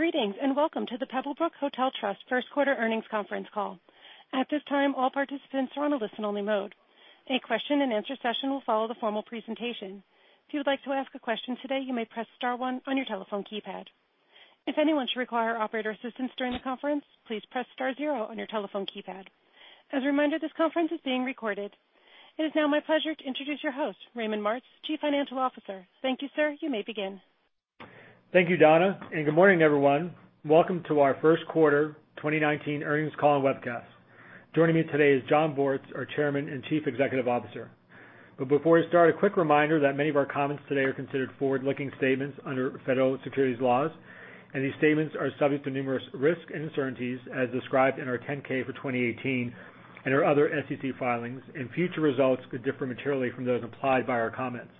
Greetings, welcome to the Pebblebrook Hotel Trust first quarter earnings conference call. At this time, all participants are on a listen-only mode. A question and answer session will follow the formal presentation. If you would like to ask a question today, you may press star one on your telephone keypad. If anyone should require operator assistance during the conference, please press star zero on your telephone keypad. As a reminder, this conference is being recorded. It is now my pleasure to introduce your host, Raymond Martz, Chief Financial Officer. Thank you, sir. You may begin. Thank you, Donna, good morning, everyone. Welcome to our first quarter 2019 earnings call and webcast. Joining me today is Jon Bortz, our Chairman and Chief Executive Officer. Before we start, a quick reminder that many of our comments today are considered forward-looking statements under federal securities laws, these statements are subject to numerous risks and uncertainties as described in our 10-K for 2018 and our other SEC filings, future results could differ materially from those implied by our comments.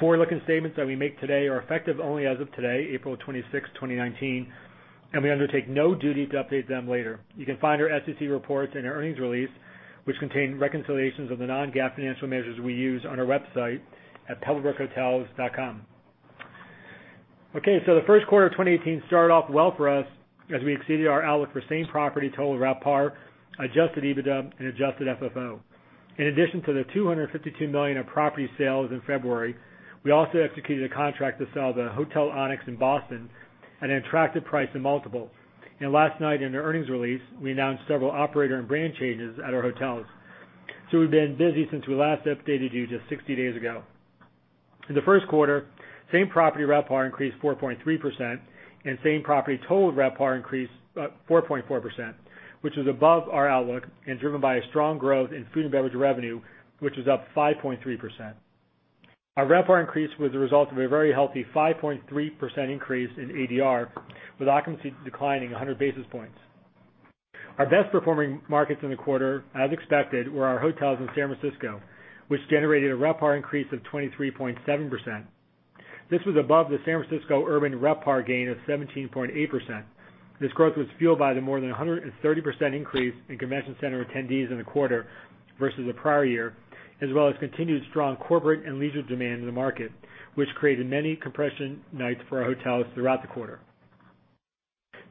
Forward-looking statements that we make today are effective only as of today, April 26, 2019, we undertake no duty to update them later. You can find our SEC reports and our earnings release, which contain reconciliations of the non-GAAP financial measures we use on our website at pebblebrookhotels.com. The first quarter of 2018 started off well for us as we exceeded our outlook for same-property total RevPAR, adjusted EBITDA, and adjusted FFO. In addition to the $252 million of property sales in February, we also executed a contract to sell the Hotel Onyx in Boston at an attractive price and multiple. Last night in the earnings release, we announced several operator and brand changes at our hotels. We've been busy since we last updated you just 60 days ago. In the first quarter, same-property RevPAR increased 4.3%, same-property total RevPAR increased 4.4%, which was above our outlook and driven by a strong growth in food and beverage revenue, which was up 5.3%. Our RevPAR increase was a result of a very healthy 5.3% increase in ADR, with occupancy declining 100 basis points. Our best-performing markets in the quarter, as expected, were our hotels in San Francisco, which generated a RevPAR increase of 23.7%. This was above the San Francisco urban RevPAR gain of 17.8%. This growth was fueled by the more than 130% increase in convention center attendees in the quarter versus the prior year, as well as continued strong corporate and leisure demand in the market, which created many compression nights for our hotels throughout the quarter.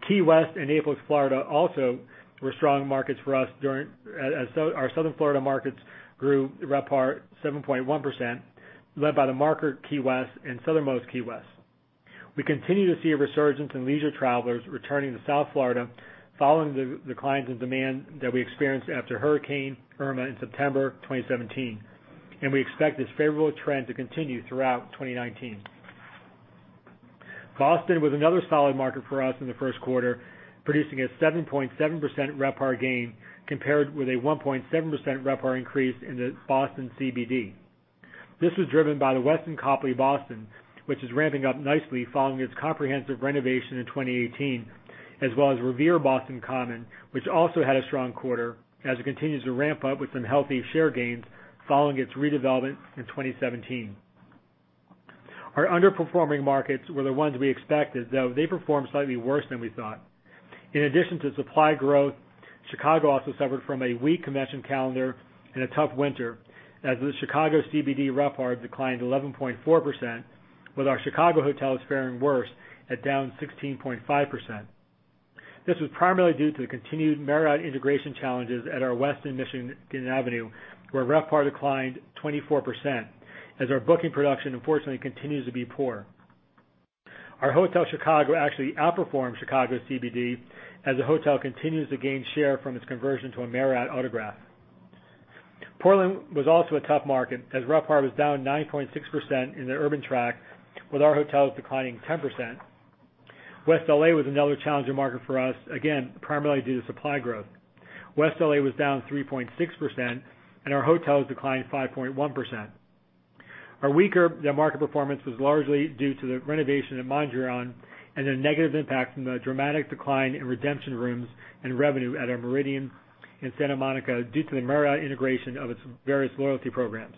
Key West and Naples, Florida also were strong markets for us. Our Southern Florida markets grew RevPAR 7.1%, led by The Marker Key West and Southernmost Key West. We continue to see a resurgence in leisure travelers returning to South Florida following the decline in demand that we experienced after Hurricane Irma in September 2017, we expect this favorable trend to continue throughout 2019. Boston was another solid market for us in the first quarter, producing a 7.7% RevPAR gain compared with a 1.7% RevPAR increase in the Boston CBD. This was driven by The Westin Copley Boston, which is ramping up nicely following its comprehensive renovation in 2018, as well as Revere Boston Common, which also had a strong quarter as it continues to ramp up with some healthy share gains following its redevelopment in 2017. Our underperforming markets were the ones we expected, though they performed slightly worse than we thought. In addition to supply growth, Chicago also suffered from a weak convention calendar and a tough winter as the Chicago CBD RevPAR declined 11.4%, with our Chicago hotels faring worse at down 16.5%. This was primarily due to the continued Marriott integration challenges at our Westin Michigan Avenue, where RevPAR declined 24% as our booking production, unfortunately, continues to be poor. Our Hotel Chicago actually outperformed Chicago CBD as the hotel continues to gain share from its conversion to a Marriott Autograph. Portland was also a tough market as RevPAR was down 9.6% in the urban track, with our hotels declining 10%. West L.A. was another challenging market for us, again, primarily due to supply growth. West L.A. was down 3.6%, and our hotels declined 5.1%. Our weaker net market performance was largely due to the renovation at Mondrian and the negative impact from the dramatic decline in redemption rooms and revenue at our Méridien in Santa Monica due to the Marriott integration of its various loyalty programs.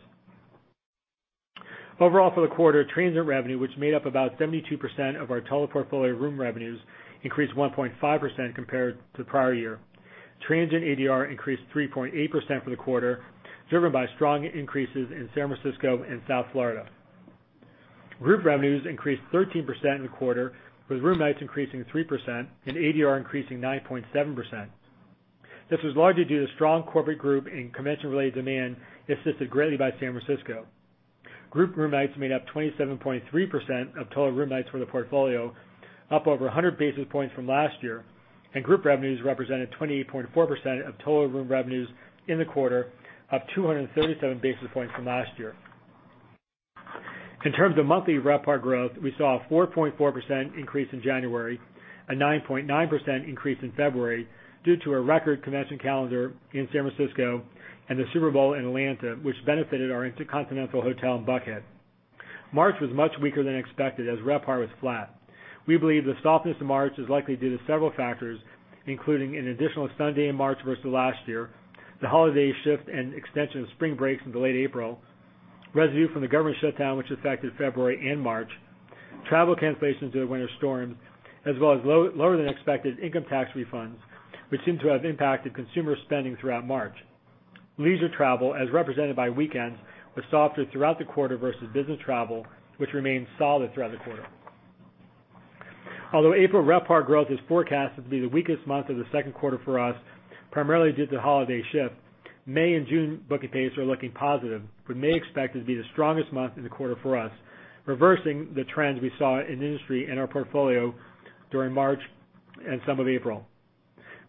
Overall, for the quarter, transient revenue, which made up about 72% of our total portfolio room revenues, increased 1.5% compared to the prior year. Transient ADR increased 3.8% for the quarter, driven by strong increases in San Francisco and South Florida. Group revenues increased 13% in the quarter, with room nights increasing 3% and ADR increasing 9.7%. This was largely due to strong corporate group and convention-related demand, assisted greatly by San Francisco. Group room nights made up 27.3% of total room nights for the portfolio, up over 100 basis points from last year, and group revenues represented 28.4% of total room revenues in the quarter, up 237 basis points from last year. In terms of monthly RevPAR growth, we saw a 4.4% increase in January, a 9.9% increase in February due to a record convention calendar in San Francisco and the Super Bowl in Atlanta, which benefited our InterContinental Hotel in Buckhead. March was much weaker than expected as RevPAR was flat. We believe the softness in March is likely due to several factors, including an additional Sunday in March versus last year, the holiday shift and extension of spring break into late April, revenue from the government shutdown which affected February and March, travel cancellations due to winter storms, as well as lower-than-expected income tax refunds, which seem to have impacted consumer spending throughout March. Leisure travel, as represented by weekends, was softer throughout the quarter versus business travel, which remained solid throughout the quarter. Although April RevPAR growth is forecasted to be the weakest month of the second quarter for us, primarily due to the holiday shift, May and June booking pace are looking positive, with May expected to be the strongest month in the quarter for us, reversing the trends we saw in industry in our portfolio during March and some of April.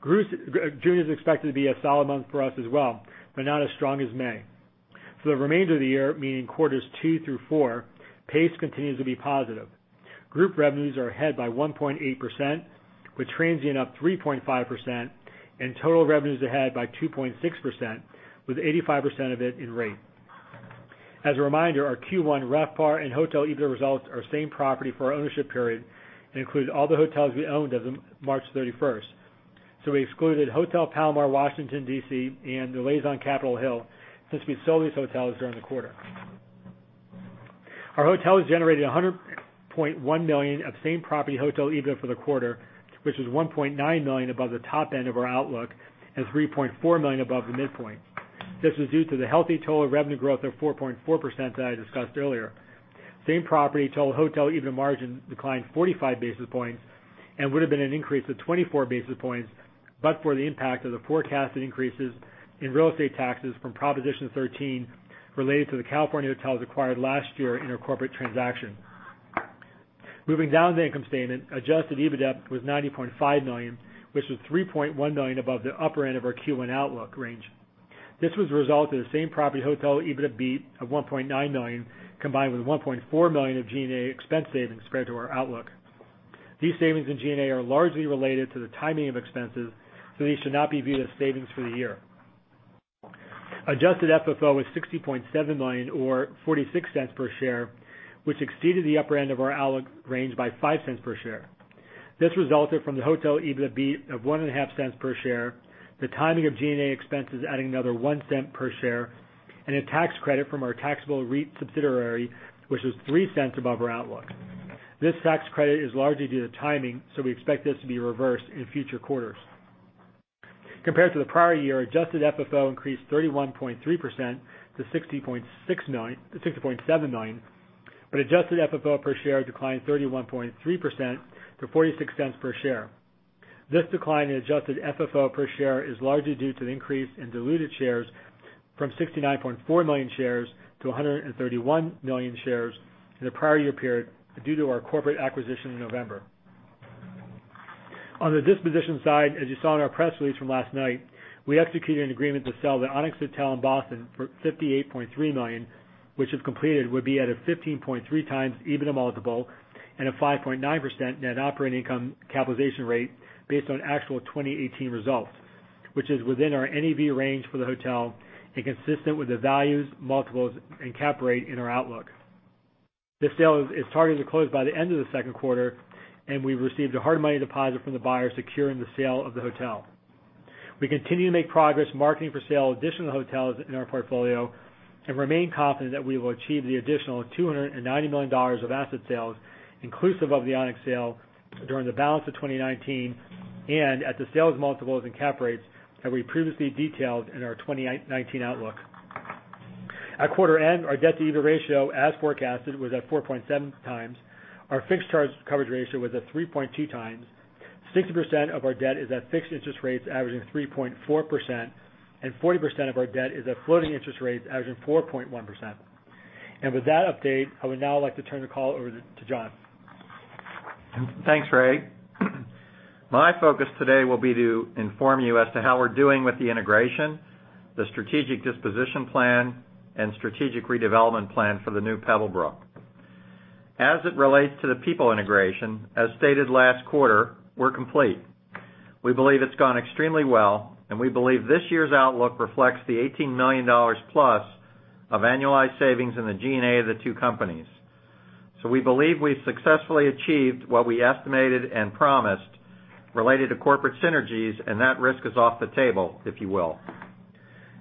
June is expected to be a solid month for us as well, but not as strong as May. For the remainder of the year, meaning quarters two through four, pace continues to be positive. Group revenues are ahead by 1.8%, with transient up 3.5% and total revenues ahead by 2.6%, with 85% of it in rate. As a reminder, our Q1 RevPAR and hotel EBITDA results are same property for our ownership period and includes all the hotels we owned as of March 31st. We excluded Hotel Palomar Washington, D.C. and the Liaison Capitol Hill, since we sold these hotels during the quarter. Our hotels generated $100.1 million of same-property hotel EBITDA for the quarter, which is $1.9 million above the top end of our outlook and $3.4 million above the midpoint. This was due to the healthy total revenue growth of 4.4% that I discussed earlier. Same-property total hotel EBITDA margin declined 45 basis points and would've been an increase of 24 basis points, but for the impact of the forecasted increases in real estate taxes from Proposition 13 related to the California hotels acquired last year in our corporate transaction. Moving down the income statement, adjusted EBITDA was $90.5 million, which was $3.1 million above the upper end of our Q1 outlook range. This was a result of the same-property hotel EBITDA beat of $1.9 million, combined with $1.4 million of G&A expense savings compared to our outlook. These savings in G&A are largely related to the timing of expenses, so these should not be viewed as savings for the year. Adjusted FFO was $60.7 million, or $0.46 per share, which exceeded the upper end of our outlook range by $0.05 per share. This resulted from the hotel EBITDA beat of $0.015 per share, the timing of G&A expenses adding another $0.01 per share, and a tax credit from our taxable REIT subsidiary, which was $0.03 above our outlook. This tax credit is largely due to timing, we expect this to be reversed in future quarters. Compared to the prior year, adjusted FFO increased 31.3% to $60.7 million, adjusted FFO per share declined 31.3% to $0.46 per share. This decline in adjusted FFO per share is largely due to the increase in diluted shares from 69.4 million shares to 131 million shares in the prior year period, due to our corporate acquisition in November. On the disposition side, as you saw in our press release from last night, we executed an agreement to sell the Onyx Hotel in Boston for $58.3 million, which if completed, would be at a 15.3x EBITDA multiple and a 5.9% net operating income capitalization rate based on actual 2018 results, which is within our NAV range for the hotel and consistent with the values, multiples, and cap rate in our outlook. This sale is targeted to close by the end of the second quarter, and we've received a hard money deposit from the buyer securing the sale of the hotel. We continue to make progress marketing for sale additional hotels in our portfolio and remain confident that we will achieve the additional $290 million of asset sales inclusive of the Onyx sale during the balance of 2019 and at the sales multiples and cap rates that we previously detailed in our 2019 outlook. At quarter end, our debt-to-EBITDA ratio, as forecasted, was at 4.7x. Our fixed charge coverage ratio was at 3.2x. 60% of our debt is at fixed interest rates averaging 3.4%, and 40% of our debt is at floating interest rates averaging 4.1%. With that update, I would now like to turn the call over to Jon. Thanks, Ray. My focus today will be to inform you as to how we're doing with the integration, the strategic disposition plan, and strategic redevelopment plan for the new Pebblebrook. As it relates to the people integration, as stated last quarter, we're complete. We believe it's gone extremely well, and we believe this year's outlook reflects the $18 million plus of annualized savings in the G&A of the two companies. We believe we've successfully achieved what we estimated and promised related to corporate synergies, and that risk is off the table, if you will.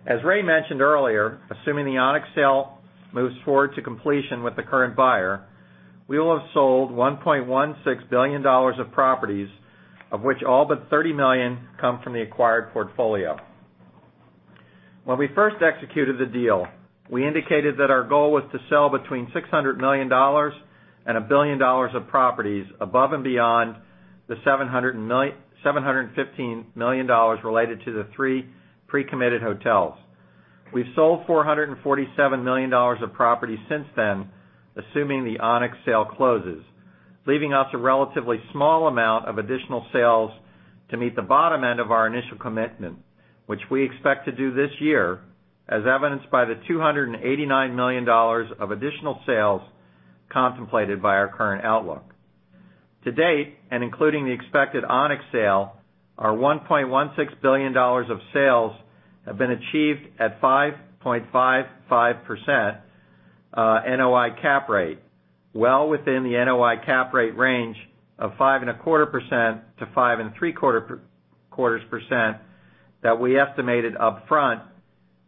As Ray mentioned earlier, assuming the Onyx sale moves forward to completion with the current buyer, we will have sold $1.16 billion of properties, of which all but $30 million come from the acquired portfolio. When we first executed the deal, we indicated that our goal was to sell between $600 million and $1 billion of properties above and beyond the $715 million related to the three pre-committed hotels. We've sold $447 million of properties since then, assuming the Onyx sale closes, leaving us a relatively small amount of additional sales to meet the bottom end of our initial commitment, which we expect to do this year, as evidenced by the $289 million of additional sales contemplated by our current outlook. To date, including the expected Onyx sale, our $1.16 billion of sales have been achieved at 5.55% NOI cap rate, well within the NOI cap rate range of 5.25%-5.75% that we estimated upfront,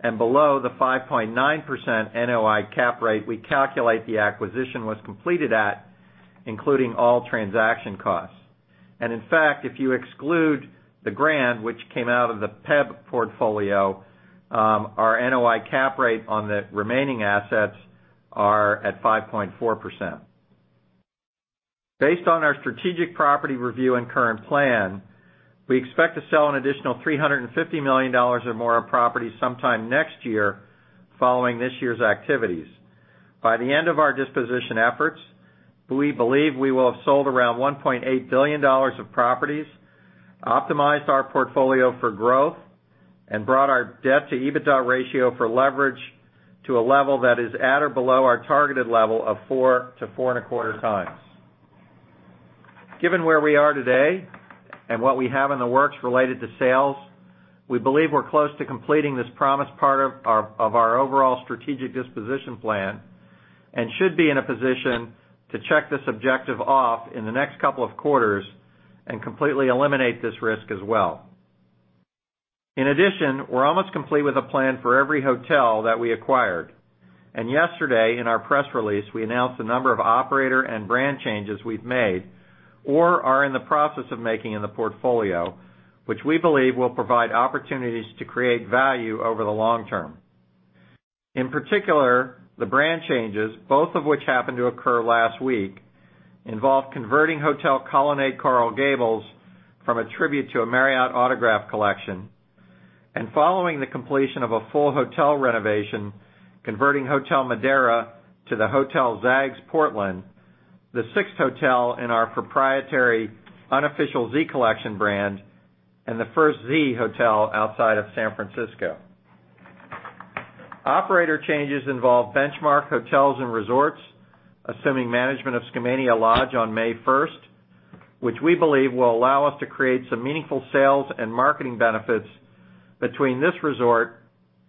and below the 5.9% NOI cap rate we calculate the acquisition was completed at, including all transaction costs. In fact, if you exclude the Grand, which came out of the PEB portfolio, our NOI cap rate on the remaining assets are at 5.4%. Based on our strategic property review and current plan, we expect to sell an additional $350 million or more of property sometime next year following this year's activities. By the end of our disposition efforts, we believe we will have sold around $1.8 billion of properties, optimized our portfolio for growth, and brought our debt to EBITDA ratio for leverage to a level that is at or below our targeted level of four to four and a quarter times. Given where we are today and what we have in the works related to sales, we believe we're close to completing this promised part of our overall strategic disposition plan, and should be in a position to check this objective off in the next couple of quarters, and completely eliminate this risk as well. We're almost complete with a plan for every hotel that we acquired. Yesterday, in our press release, we announced a number of operator and brand changes we've made or are in the process of making in the portfolio, which we believe will provide opportunities to create value over the long term. In particular, the brand changes, both of which happened to occur last week, involved converting Hotel Colonnade Coral Gables from a Tribute to a Marriott Autograph Collection, and following the completion of a full hotel renovation, converting Hotel Modera to The Hotel Zags Portland, the sixth hotel in our proprietary Unofficial Z Collection brand, and the first Z hotel outside of San Francisco. Operator changes involve Benchmark Hotels & Resorts assuming management of Skamania Lodge on May 1st, which we believe will allow us to create some meaningful sales and marketing benefits between this resort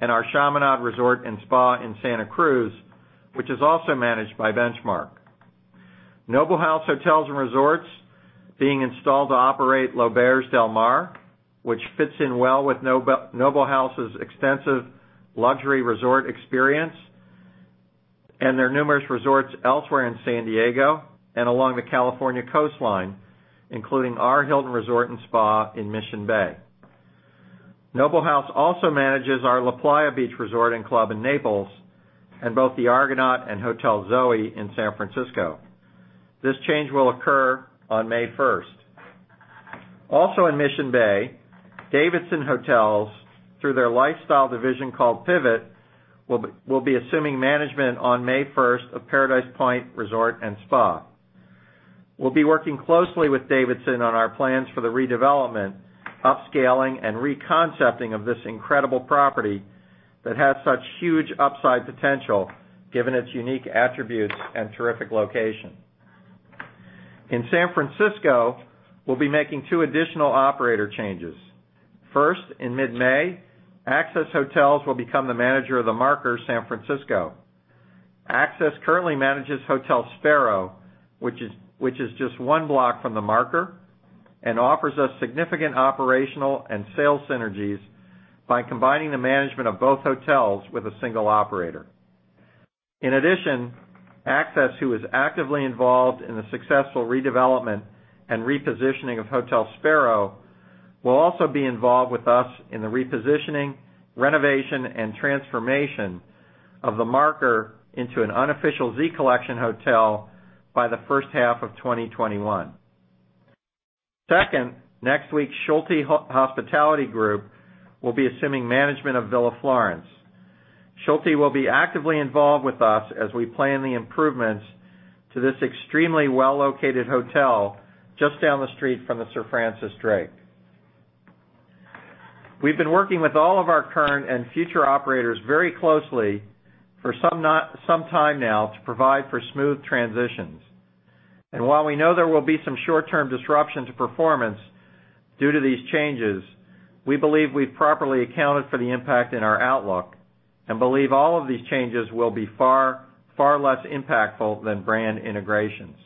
and our Chaminade Resort & Spa in Santa Cruz, which is also managed by Benchmark. Noble House Hotels & Resorts being installed to operate L'Auberge Del Mar, which fits in well with Noble House's extensive luxury resort experience, and their numerous resorts elsewhere in San Diego and along the California coastline, including our Hilton Resort & Spa in Mission Bay. Noble House also manages our LaPlaya Beach & Golf Resort in Naples, and both The Argonaut and Hotel Zoe in San Francisco. This change will occur on May 1st. Also in Mission Bay, Davidson Hotels, through their lifestyle division called Pivot, will be assuming management on May 1st of Paradise Point Resort & Spa. We'll be working closely with Davidson on our plans for the redevelopment, upscaling, and re-concepting of this incredible property that has such huge upside potential given its unique attributes and terrific location. In San Francisco, we'll be making two additional operator changes. First, in mid-May, Access Hotels will become the manager of The Marker San Francisco. Access currently manages Hotel Spero, which is just one block from The Marker, and offers us significant operational and sales synergies by combining the management of both hotels with a single operator. Access, who is actively involved in the successful redevelopment and repositioning of Hotel Spero, will also be involved with us in the repositioning, renovation, and transformation of The Marker into an Unofficial Z Collection hotel by the first half of 2021. Second, next week, Schulte Hospitality Group will be assuming management of Villa Florence. Schulte will be actively involved with us as we plan the improvements to this extremely well-located hotel just down the street from the Sir Francis Drake. We've been working with all of our current and future operators very closely for some time now to provide for smooth transitions. While we know there will be some short-term disruption to performance due to these changes, we believe we've properly accounted for the impact in our outlook, believe all of these changes will be far less impactful than brand integrations.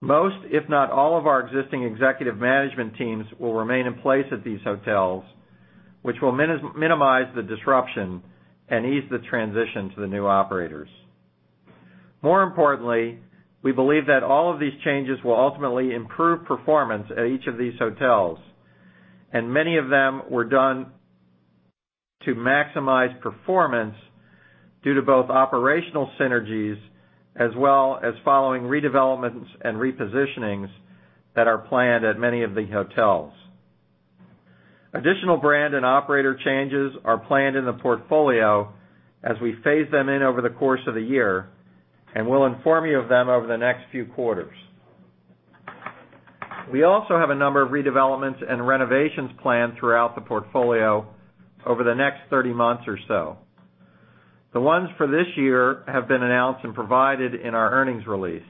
Most, if not all of our existing executive management teams will remain in place at these hotels, which will minimize the disruption and ease the transition to the new operators. More importantly, we believe that all of these changes will ultimately improve performance at each of these hotels. Many of them were done to maximize performance due to both operational synergies as well as following redevelopments and repositionings that are planned at many of the hotels. Additional brand and operator changes are planned in the portfolio as we phase them in over the course of the year, we'll inform you of them over the next few quarters. We also have a number of redevelopments and renovations planned throughout the portfolio over the next 30 months or so. The ones for this year have been announced and provided in our earnings release.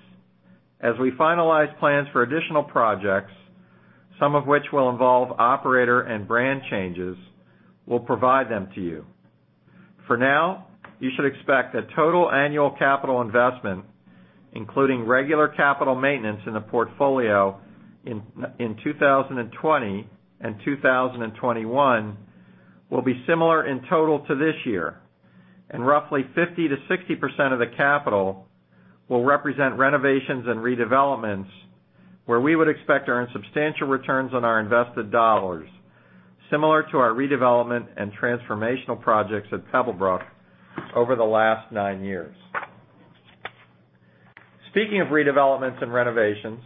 As we finalize plans for additional projects, some of which will involve operator and brand changes, we'll provide them to you. For now, you should expect a total annual capital investment, including regular capital maintenance in the portfolio in 2020 and 2021, will be similar in total to this year. Roughly 50%-60% of the capital will represent renovations and redevelopments, where we would expect to earn substantial returns on our invested dollars, similar to our redevelopment and transformational projects at Pebblebrook over the last nine years. Speaking of redevelopments and renovations,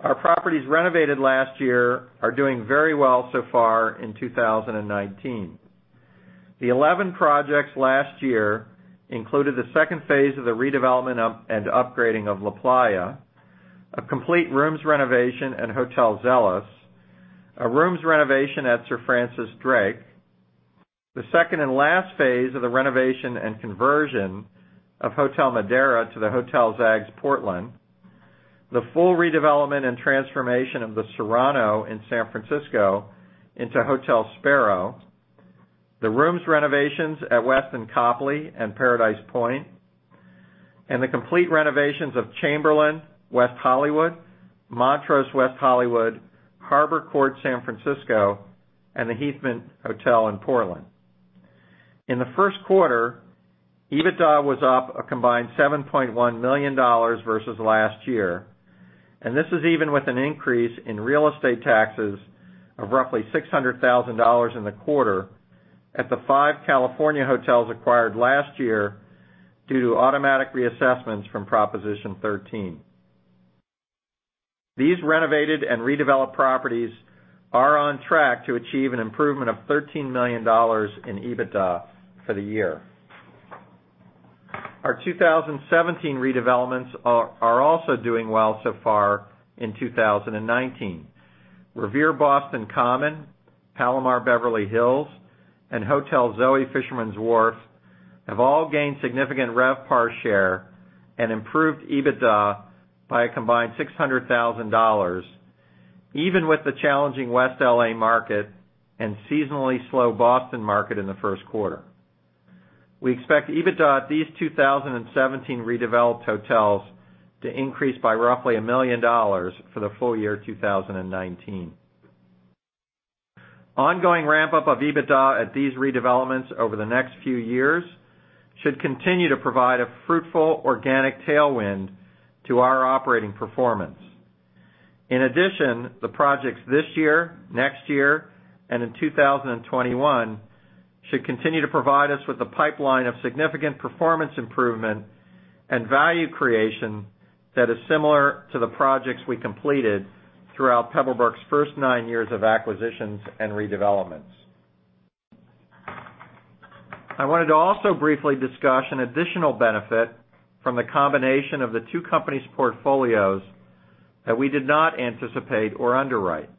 our properties renovated last year are doing very well so far in 2019. The 11 projects last year included the second phase of the redevelopment up and upgrading of La Playa, a complete rooms renovation at Hotel Zelos, a rooms renovation at Sir Francis Drake, the second and last phase of the renovation and conversion of Hotel Modera to The Hotel Zags Portland, the full redevelopment and transformation of the Serrano in San Francisco into Hotel Spero, the rooms renovations at Westin Copley and Paradise Point, the complete renovations of Chamberlain West Hollywood, Montrose West Hollywood, Harbor Court San Francisco, and The Heathman Hotel in Portland. In the first quarter, EBITDA was up a combined $7.1 million versus last year, this is even with an increase in real estate taxes of roughly $600,000 in the quarter at the five California hotels acquired last year due to automatic reassessments from Proposition 13. These renovated and redeveloped properties are on track to achieve an improvement of $13 million in EBITDA for the year. Our 2017 redevelopments are also doing well so far in 2019. Revere Boston Common, Palomar Beverly Hills, and Hotel Zoe Fisherman's Wharf have all gained significant RevPAR share and improved EBITDA by a combined $600,000 even with the challenging West L.A. market and seasonally slow Boston market in the first quarter. We expect EBITDA at these 2017 redeveloped hotels to increase by roughly $1 million for the full year 2019. Ongoing ramp-up of EBITDA at these redevelopments over the next few years should continue to provide a fruitful organic tailwind to our operating performance. In addition, the projects this year, next year, and in 2021 should continue to provide us with a pipeline of significant performance improvement and value creation that is similar to the projects we completed throughout Pebblebrook's first nine years of acquisitions and redevelopments. I wanted to also briefly discuss an additional benefit from the combination of the two companies' portfolios that we did not anticipate or underwrite.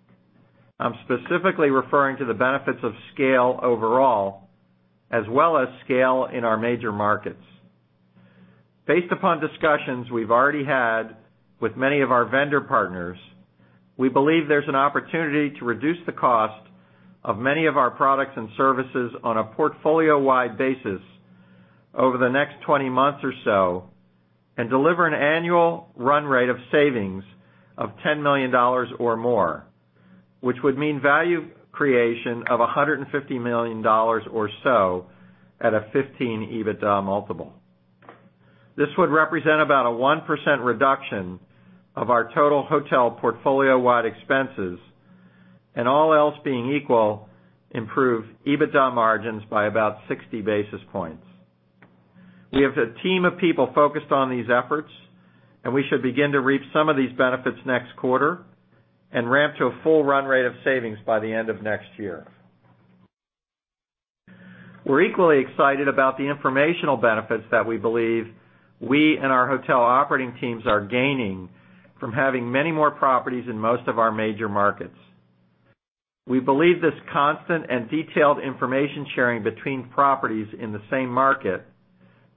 I'm specifically referring to the benefits of scale overall, as well as scale in our major markets. Based upon discussions we've already had with many of our vendor partners, we believe there's an opportunity to reduce the cost of many of our products and services on a portfolio-wide basis over the next 20 months or so and deliver an annual run rate of savings of $10 million or more, which would mean value creation of $150 million or so at a 15 EBITDA multiple. This would represent about a 1% reduction of our total hotel portfolio-wide expenses, and all else being equal, improve EBITDA margins by about 60 basis points. We have a team of people focused on these efforts, and we should begin to reap some of these benefits next quarter and ramp to a full run rate of savings by the end of next year. We're equally excited about the informational benefits that we believe we and our hotel operating teams are gaining from having many more properties in most of our major markets. We believe this constant and detailed information-sharing between properties in the same market,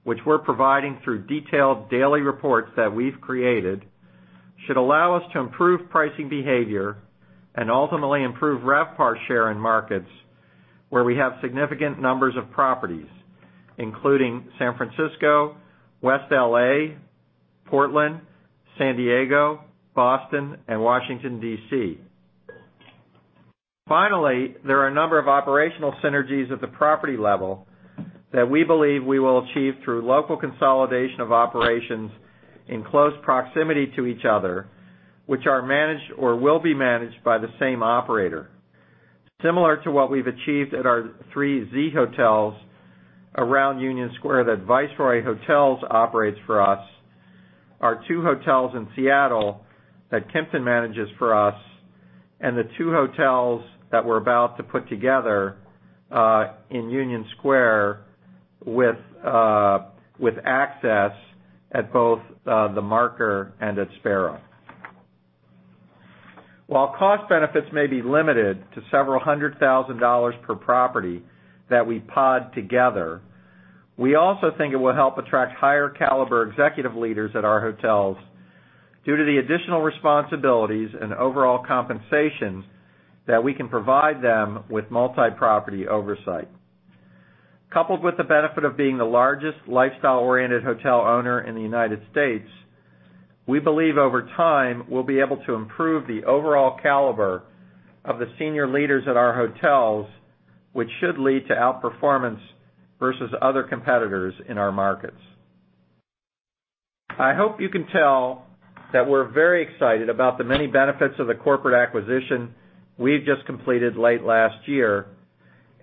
which we're providing through detailed daily reports that we've created, should allow us to improve pricing behavior and ultimately improve RevPAR share in markets where we have significant numbers of properties, including San Francisco, West L.A., Portland, San Diego, Boston, and Washington, D.C. Finally, there are a number of operational synergies at the property level that we believe we will achieve through local consolidation of operations in close proximity to each other, which are managed or will be managed by the same operator. Similar to what we've achieved at our three Z hotels around Union Square that Viceroy Hotels operates for us, our two hotels in Seattle that Kimpton manages for us, and the two hotels that we're about to put together in Union Square with Access at both The Marker and at Spero. While cost benefits may be limited to several hundred thousand dollars per property that we pod together, we also think it will help attract higher caliber executive leaders at our hotels due to the additional responsibilities and overall compensation that we can provide them with multi-property oversight. Coupled with the benefit of being the largest lifestyle-oriented hotel owner in the United States. We believe over time, we'll be able to improve the overall caliber of the senior leaders at our hotels, which should lead to outperformance versus other competitors in our markets. I hope you can tell that we're very excited about the many benefits of the corporate acquisition we've just completed late last year,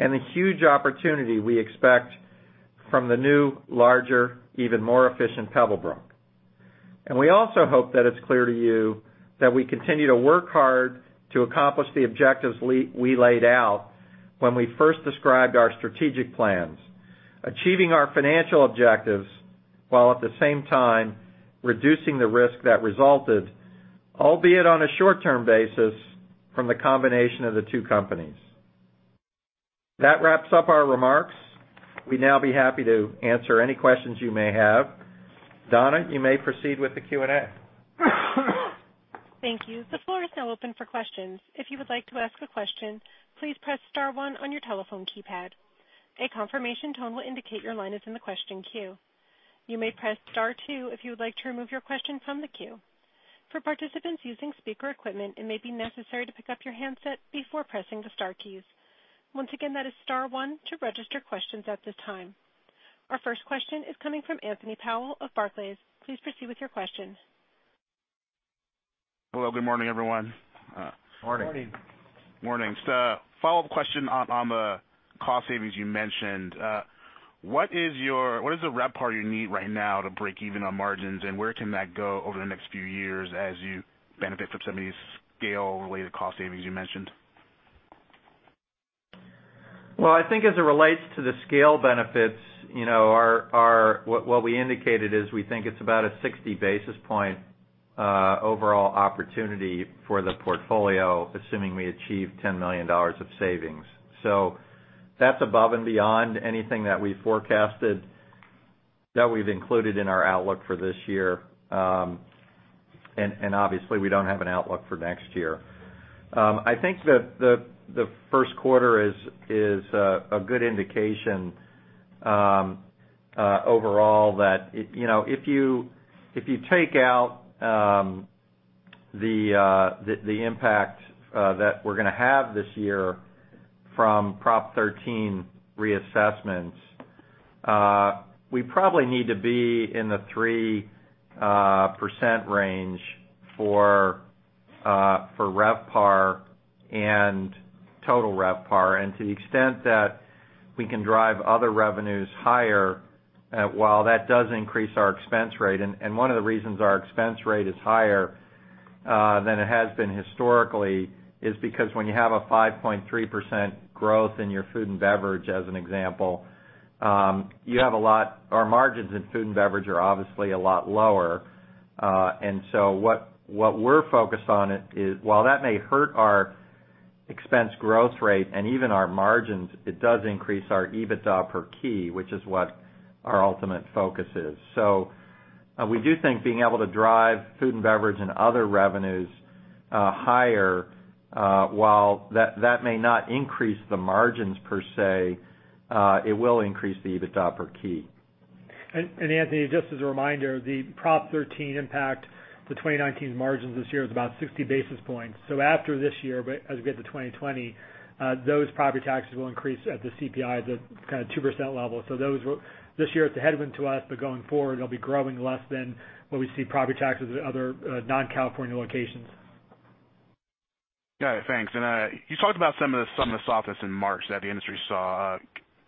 and the huge opportunity we expect from the new, larger, even more efficient Pebblebrook. We also hope that it's clear to you that we continue to work hard to accomplish the objectives we laid out when we first described our strategic plans. Achieving our financial objectives, while at the same time reducing the risk that resulted, albeit on a short-term basis, from the combination of the two companies. That wraps up our remarks. We'd now be happy to answer any questions you may have. Donna, you may proceed with the Q&A. Thank you. The floor is now open for questions. If you would like to ask a question, please press star one on your telephone keypad. A confirmation tone will indicate your line is in the question queue. You may press star two if you would like to remove your question from the queue. For participants using speaker equipment, it may be necessary to pick up your handset before pressing the star keys. Once again, that is star one to register questions at this time. Our first question is coming from Anthony Powell of Barclays. Please proceed with your question. Hello, good morning, everyone. Morning. Morning. A follow-up question on the cost savings you mentioned. What is the RevPAR you need right now to break even on margins, and where can that go over the next few years as you benefit from some of these scale-related cost savings you mentioned? Well, I think as it relates to the scale benefits, what we indicated is we think it's about a 60 basis point overall opportunity for the portfolio, assuming we achieve $10 million of savings. That's above and beyond anything that we forecasted that we've included in our outlook for this year. Obviously, we don't have an outlook for next year. I think that the first quarter is a good indication overall that if you take out the impact that we're going to have this year from Prop 13 reassessments, we probably need to be in the 3% range for RevPAR and total RevPAR, and to the extent that we can drive other revenues higher, while that does increase our expense rate. One of the reasons our expense rate is higher than it has been historically is because when you have a 5.3% growth in your food and beverage, as an example, our margins in food and beverage are obviously a lot lower. What we're focused on is, while that may hurt our expense growth rate and even our margins, it does increase our EBITDA per key, which is what our ultimate focus is. We do think being able to drive food and beverage and other revenues higher, while that may not increase the margins per se, it will increase the EBITDA per key. Anthony, just as a reminder, the Prop 13 impact to 2019's margins this year is about 60 basis points. After this year, as we get to 2020, those property taxes will increase at the CPI, the kind of 2% level. This year it's a headwind to us, but going forward, it'll be growing less than what we see property taxes at other non-California locations. Got it. Thanks. You talked about some of the softness in March that the industry saw.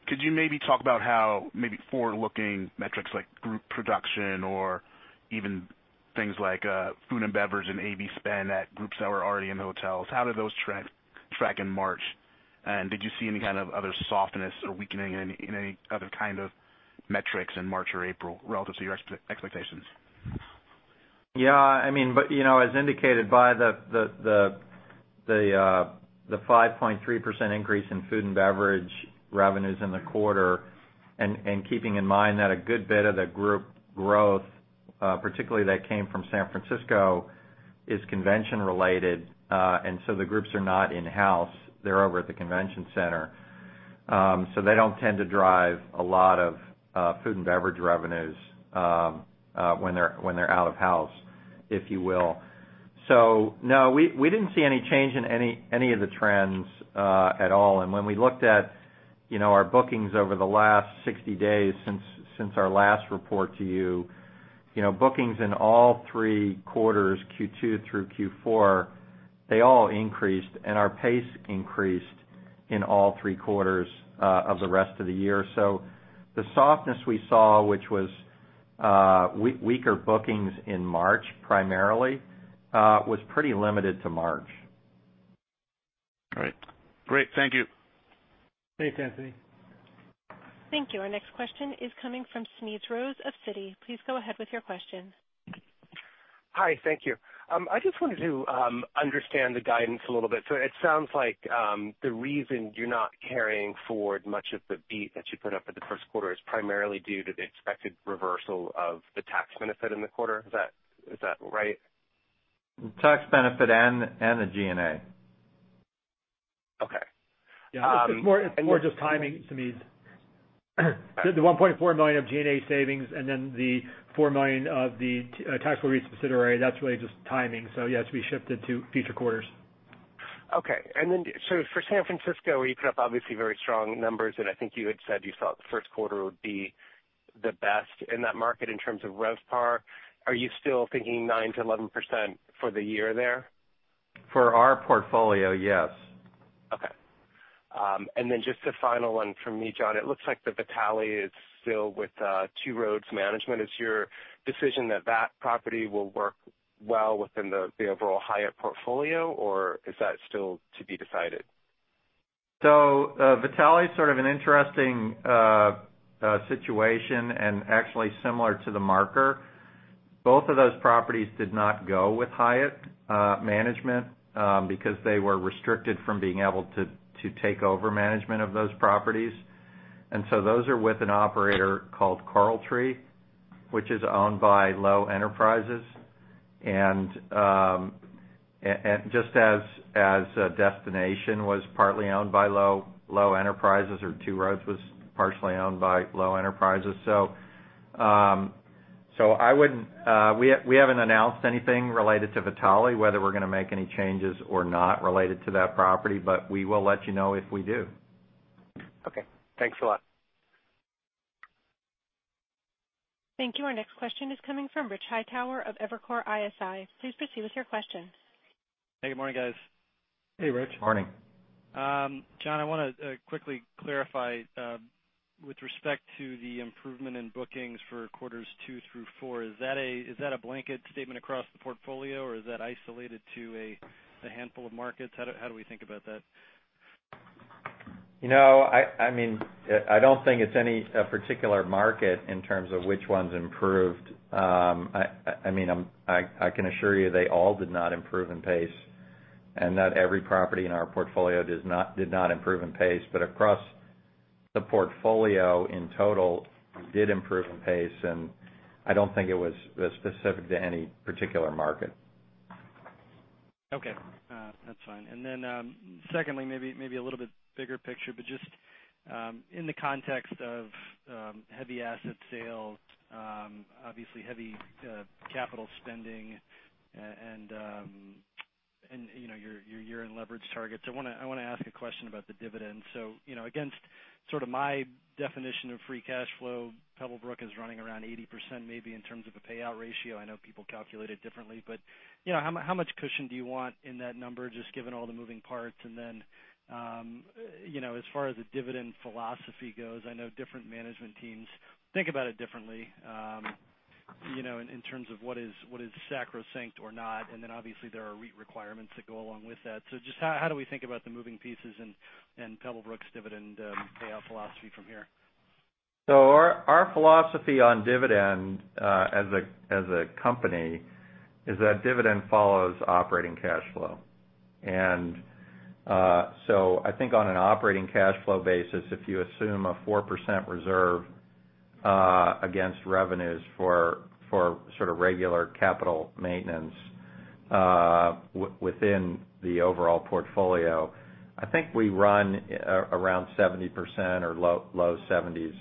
Could you maybe talk about how maybe forward-looking metrics like group production or even things like food and beverage and AB spend at groups that were already in the hotels, how did those track in March? Did you see any kind of other softness or weakening in any other kind of metrics in March or April relative to your expectations? Yeah. As indicated by the 5.3% increase in food and beverage revenues in the quarter, and keeping in mind that a good bit of the group growth, particularly that came from San Francisco, is convention related, and so the groups are not in-house. They are over at the convention center. So they do not tend to drive a lot of food and beverage revenues when they are out of house, if you will. So no, we did not see any change in any of the trends at all. When we looked at our bookings over the last 60 days since our last report to you, bookings in all three quarters, Q2 through Q4, they all increased, and our pace increased in all three quarters of the rest of the year. The softness we saw, which was weaker bookings in March primarily, was pretty limited to March. All right. Great. Thank you. Thanks, Anthony. Thank you. Our next question is coming from Smedes Rose of Citi. Please go ahead with your question. Hi. Thank you. I just wanted to understand the guidance a little bit. It sounds like the reason you're not carrying forward much of the beat that you put up in the first quarter is primarily due to the expected reversal of the tax benefit in the quarter. Is that right? The tax benefit and the G&A. Yeah. It's more just timing, Smedes. The $1.4 million of G&A savings, then the $4 million of the taxable reconsideration, that's really just timing. Yes, we shifted to future quarters. Okay. For San Francisco, where you put up obviously very strong numbers, I think you had said you thought the first quarter would be the best in that market in terms of RevPAR. Are you still thinking 9%-11% for the year there? For our portfolio, yes. Okay. Just a final one from me, Jon. It looks like the Vitale is still with Two Roads Hospitality. Is your decision that property will work well within the overall Hyatt portfolio, or is that still to be decided? Vitale is sort of an interesting situation and actually similar to The Marker. Both of those properties did not go with Hyatt Management, because they were restricted from being able to take over management of those properties. Those are with an operator called CoralTree, which is owned by Lowe Enterprises. Just as Destination was partly owned by Lowe Enterprises, or Two Roads was partially owned by Lowe Enterprises. We haven't announced anything related to Vitale, whether we're going to make any changes or not related to that property, but we will let you know if we do. Okay. Thanks a lot. Thank you. Our next question is coming from Rich Hightower of Evercore ISI. Please proceed with your question. Hey, good morning, guys. Hey, Rich. Morning. Jon, I want to quickly clarify, with respect to the improvement in bookings for quarters two through four, is that a blanket statement across the portfolio, or is that isolated to a handful of markets? How do we think about that? I don't think it's any particular market in terms of which one's improved. I can assure you they all did not improve in pace, and not every property in our portfolio did not improve in pace. Across the portfolio, in total, did improve in pace, and I don't think it was specific to any particular market. Okay. That's fine. Secondly, maybe a little bit bigger picture, just in the context of heavy asset sales, obviously heavy capital spending and your year-end leverage targets, I want to ask a question about the dividend. Against sort of my definition of free cash flow, Pebblebrook is running around 80% maybe in terms of a payout ratio. I know people calculate it differently, but how much cushion do you want in that number, just given all the moving parts? As far as the dividend philosophy goes, I know different management teams think about it differently, in terms of what is sacrosanct or not. Obviously, there are REIT requirements that go along with that. Just how do we think about the moving pieces and Pebblebrook's dividend payout philosophy from here? Our philosophy on dividend, as a company, is that dividend follows operating cash flow. I think on an operating cash flow basis, if you assume a 4% reserve against revenues for sort of regular capital maintenance, within the overall portfolio, I think we run around 70% or low 70s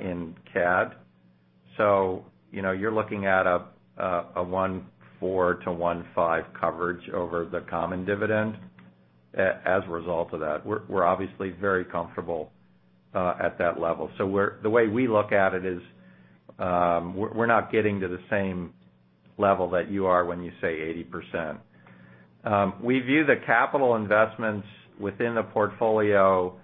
in CAD. You're looking at a 1.4-1.5 coverage over the common dividend as a result of that. We're obviously very comfortable at that level. The way we look at it is, we're not getting to the same level that you are when you say 80%. We view the capital investments within the portfolio,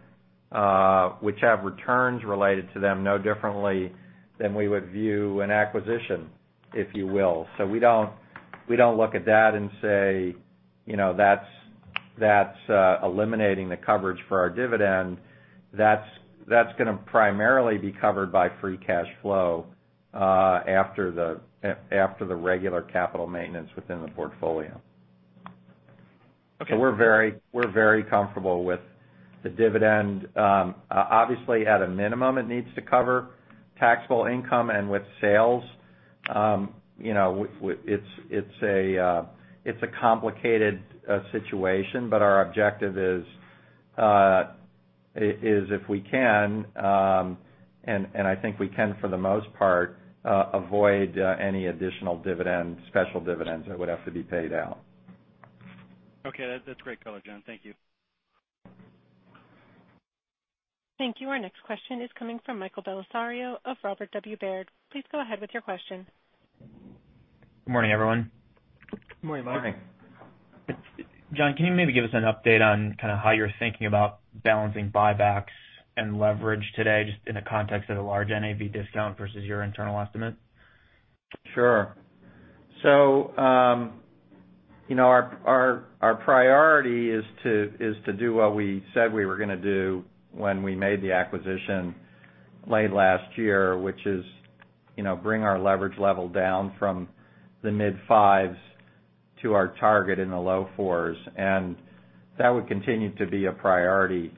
which have returns related to them, no differently than we would view an acquisition, if you will. We don't look at that and say, "That's eliminating the coverage for our dividend." That's going to primarily be covered by free cash flow, after the regular capital maintenance within the portfolio. Okay. We're very comfortable with the dividend. Obviously, at a minimum, it needs to cover taxable income and with sales. It's a complicated situation, our objective is, if we can, and I think we can for the most part, avoid any additional dividends, special dividends that would have to be paid out. That's great color, Jon. Thank you. Thank you. Our next question is coming from Michael Bellisario of Robert W. Baird. Please go ahead with your question. Good morning, everyone. Good morning, Mike. Morning. Jon, can you maybe give us an update on kind of how you're thinking about balancing buybacks and leverage today, just in the context of the large NAV discount versus your internal estimate? Sure. Our priority is to do what we said we were going to do when we made the acquisition late last year, which is, bring our leverage level down from the mid-fives to our target in the low fours. That would continue to be a priority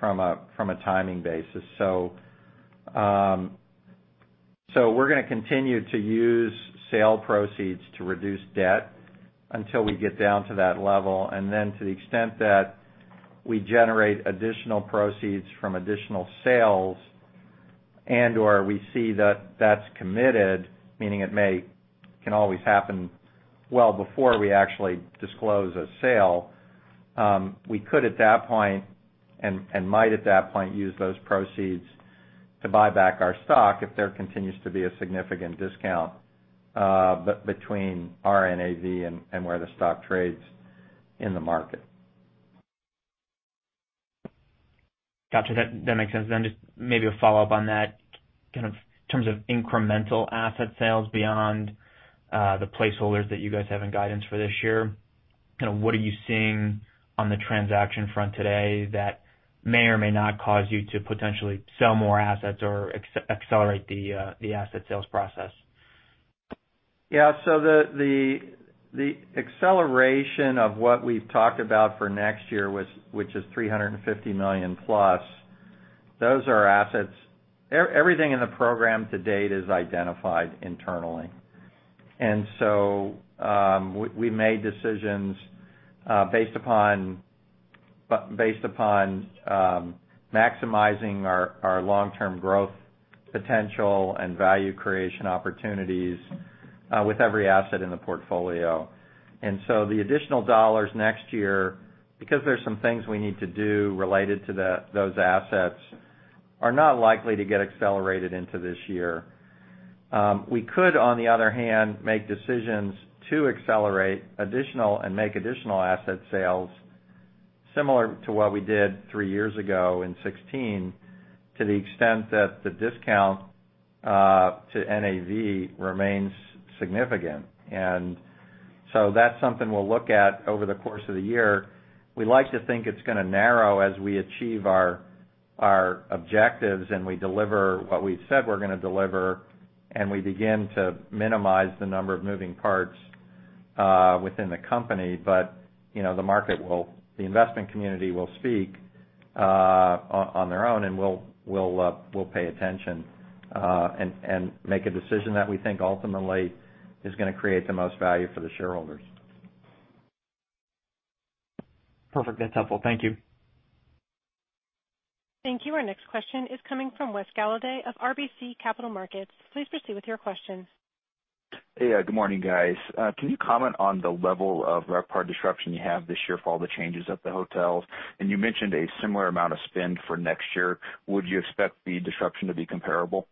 from a timing basis. We're going to continue to use sale proceeds to reduce debt until we get down to that level. To the extent that we generate additional proceeds from additional sales and/or we see that that's committed, meaning it can always happen well before we actually disclose a sale. We could at that point and might at that point, use those proceeds to buy back our stock if there continues to be a significant discount between our NAV and where the stock trades in the market. Got you. That makes sense then. Just maybe a follow-up on that, in terms of incremental asset sales beyond the placeholders that you guys have in guidance for this year, what are you seeing on the transaction front today that may or may not cause you to potentially sell more assets or accelerate the asset sales process? Yeah. The acceleration of what we've talked about for next year, which is $350 million plus, those are assets. Everything in the program to date is identified internally. We made decisions based upon maximizing our long-term growth potential and value creation opportunities, with every asset in the portfolio. The additional dollars next year, because there's some things we need to do related to those assets, are not likely to get accelerated into this year. We could, on the other hand, make decisions to accelerate additional and make additional asset sales, similar to what we did three years ago in 2016, to the extent that the discount to NAV remains significant. That's something we'll look at over the course of the year. We like to think it's going to narrow as we achieve our objectives and we deliver what we've said we're going to deliver, and we begin to minimize the number of moving parts within the company. The investment community will speak on their own, and we'll pay attention and make a decision that we think ultimately is going to create the most value for the shareholders. Perfect. That's helpful. Thank you. Thank you. Our next question is coming from Wes Golladay of RBC Capital Markets. Please proceed with your question. Yeah. Good morning, guys. Can you comment on the level of RevPAR disruption you have this year for all the changes at the hotels? You mentioned a similar amount of spend for next year. Would you expect the disruption to be comparable?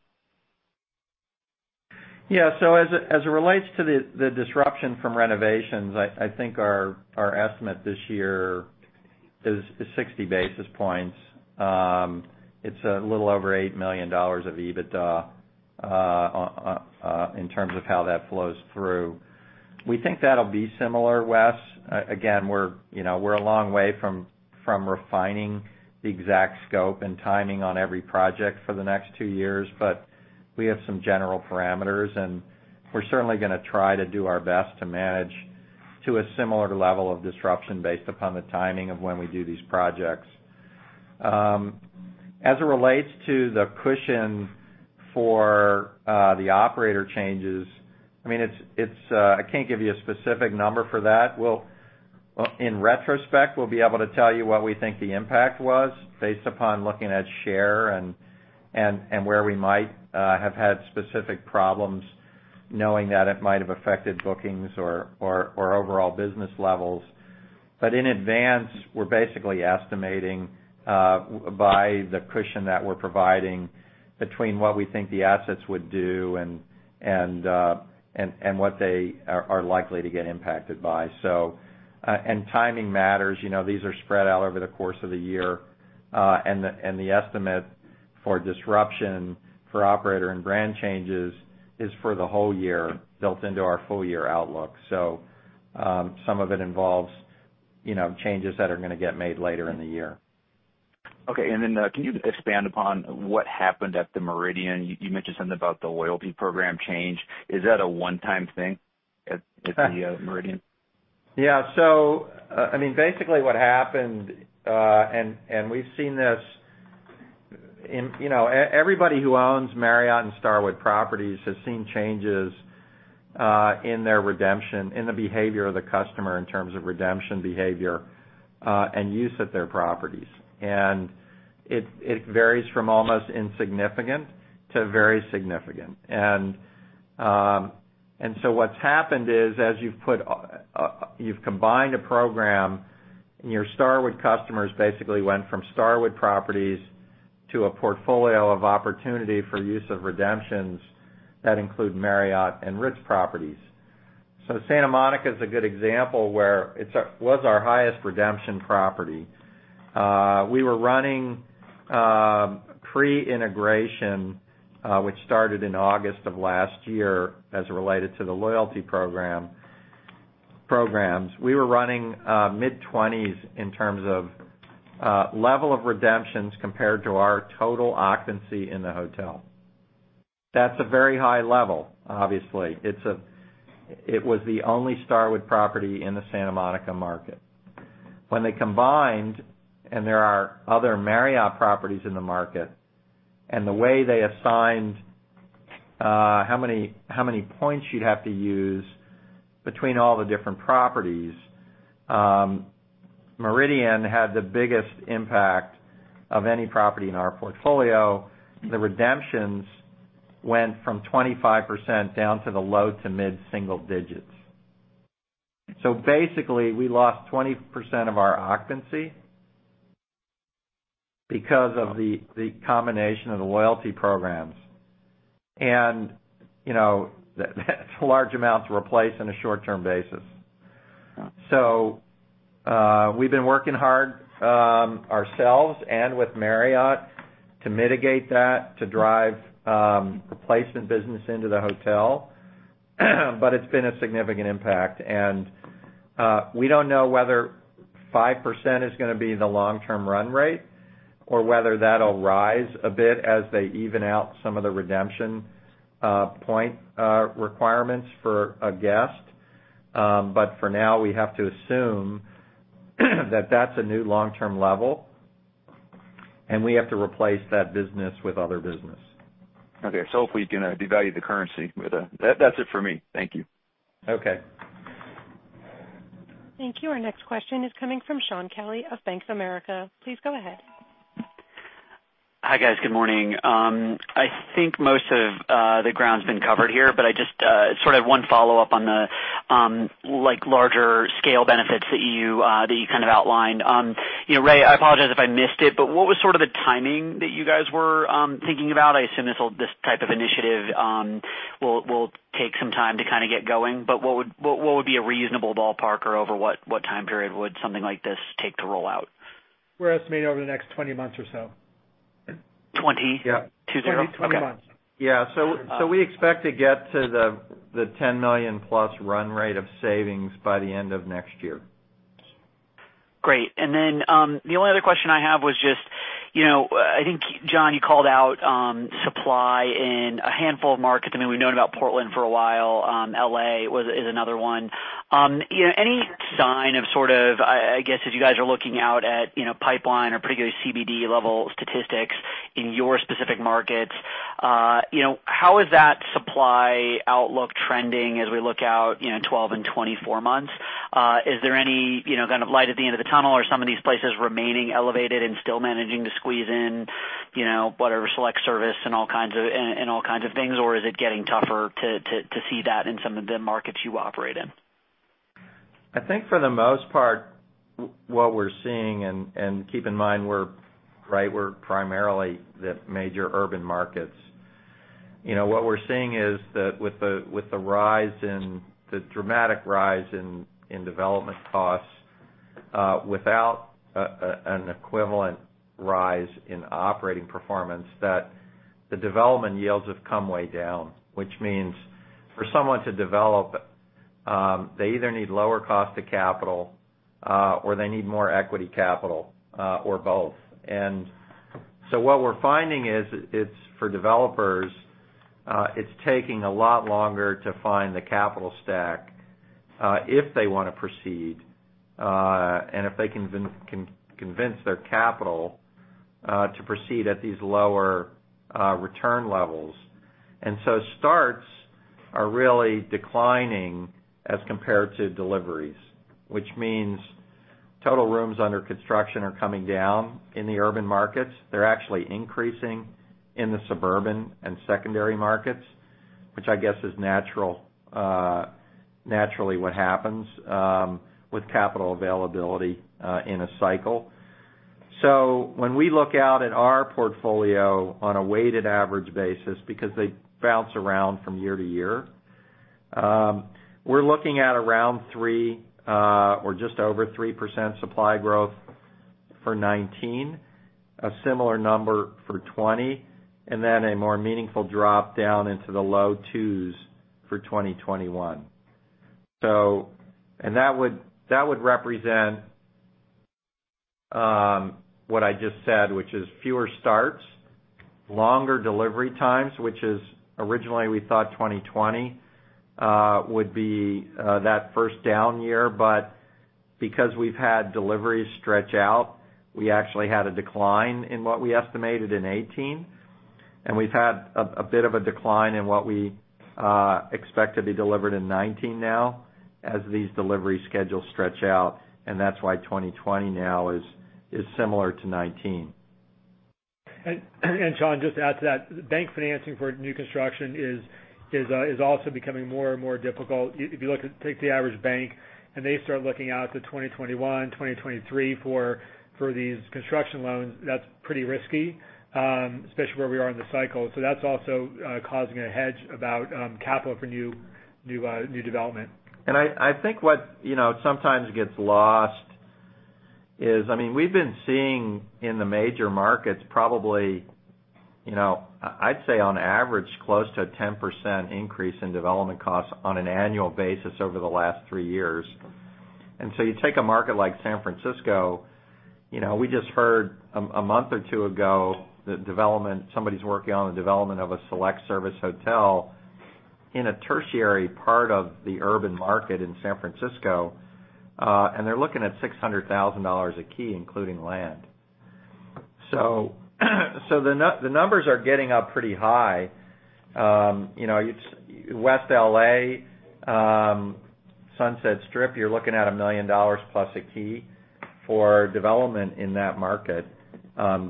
Yeah. As it relates to the disruption from renovations, I think our estimate this year is 60 basis points. It's a little over $8 million of EBITDA, in terms of how that flows through. We think that'll be similar, Wes. Again, we're a long way from refining the exact scope and timing on every project for the next two years. We have some general parameters, and we're certainly going to try to do our best to manage to a similar level of disruption based upon the timing of when we do these projects. As it relates to the cushion for the operator changes, I can't give you a specific number for that. In retrospect, we'll be able to tell you what we think the impact was based upon looking at share and where we might have had specific problems knowing that it might have affected bookings or overall business levels. In advance, we're basically estimating by the cushion that we're providing between what we think the assets would do and what they are likely to get impacted by. Timing matters. These are spread out over the course of the year. The estimate for disruption for operator and brand changes is for the whole year built into our full-year outlook. Some of it involves changes that are going to get made later in the year. Okay. Can you expand upon what happened at The Méridien? You mentioned something about the loyalty program change. Is that a one-time thing at The Méridien? Yeah. Basically what happened, and we've seen this in. Everybody who owns Marriott and Starwood properties has seen changes in their redemption, in the behavior of the customer in terms of redemption behavior, and use of their properties. It varies from almost insignificant to very significant. What's happened is as you've combined a program and your Starwood customers basically went from Starwood properties to a portfolio of opportunity for use of redemptions that include Marriott and Ritz properties. Santa Monica is a good example where it was our highest redemption property. We were running pre-integration, which started in August of last year as related to the loyalty programs. We were running mid-20s in terms of level of redemptions compared to our total occupancy in the hotel. That's a very high level, obviously. It was the only Starwood property in the Santa Monica market. When they combined, and there are other Marriott properties in the market, and the way they assigned how many points you'd have to use between all the different properties, Méridien had the biggest impact of any property in our portfolio. The redemptions went from 25% down to the low to mid single digits. Basically, we lost 20% of our occupancy because of the combination of the loyalty programs. That's a large amount to replace on a short-term basis. We've been working hard ourselves and with Marriott to mitigate that, to drive replacement business into the hotel, but it's been a significant impact. We don't know whether 5% is going to be the long-term run rate or whether that'll rise a bit as they even out some of the redemption point requirements for a guest. For now, we have to assume that that's a new long-term level, and we have to replace that business with other business. Okay. Hopefully you can devalue the currency with that. That's it for me. Thank you. Okay. Thank you. Our next question is coming from Shaun Kelley of Bank of America. Please go ahead. Hi, guys. Good morning. I think most of the ground's been covered here, but sort of one follow-up on the larger scale benefits that you kind of outlined. Ray, I apologize if I missed it, but what was sort of the timing that you guys were thinking about? I assume this type of initiative will take some time to kind of get going. But what would be a reasonable ballpark, or over what time period would something like this take to roll out? We're estimating over the next 20 months or so. 20? Yep. Two, zero? 20 months. We expect to get to the $10 million plus run rate of savings by the end of next year. Great. Then, the only other question I have was just, I think, Jon, you called out supply in a handful of markets. We've known about Portland for a while. L.A. is another one. Any sign of sort of, I guess, as you guys are looking out at pipeline or particularly CBD-level statistics in your specific markets, how is that supply outlook trending as we look out 12 and 24 months? Is there any kind of light at the end of the tunnel? Are some of these places remaining elevated and still managing to squeeze in whatever select service and all kinds of things, or is it getting tougher to see that in some of the markets you operate in? I think for the most part, what we're seeing, and keep in mind, we're primarily the major urban markets. What we're seeing is that with the dramatic rise in development costs, without an equivalent rise in operating performance, that the development yields have come way down, which means for someone to develop, they either need lower cost of capital, or they need more equity capital, or both. What we're finding is, for developers, it's taking a lot longer to find the capital stack, if they want to proceed, and if they can convince their capital to proceed at these lower return levels. Starts are really declining as compared to deliveries, which means total rooms under construction are coming down in the urban markets. They're actually increasing in the suburban and secondary markets, which I guess is naturally what happens with capital availability in a cycle. When we look out at our portfolio on a weighted average basis, because they bounce around from year to year, we're looking at around 3% or just over 3% supply growth for 2019, a similar number for 2020, and then a more meaningful drop down into the low two's for 2021. That would represent what I just said, which is fewer starts, longer delivery times, which is originally we thought 2020 would be that first down year. Because we've had deliveries stretch out, we actually had a decline in what we estimated in 2018, and we've had a bit of a decline in what we expect to be delivered in 2019 now as these delivery schedules stretch out, and that's why 2020 now is similar to 2019. Shaun, just to add to that, bank financing for new construction is also becoming more and more difficult. If you take the average bank and they start looking out to 2021, 2023 for these construction loans, that's pretty risky, especially where we are in the cycle. That's also causing a hedge about capital for new development. I think what sometimes gets lost is, we've been seeing in the major markets probably, I'd say on average, close to a 10% increase in development costs on an annual basis over the last three years. You take a market like San Francisco, we just heard a month or two ago that somebody's working on the development of a select service hotel in a tertiary part of the urban market in San Francisco, and they're looking at $600,000 a key, including land. The numbers are getting up pretty high. West L.A., Sunset Strip, you're looking at $1 million plus a key for development in that market,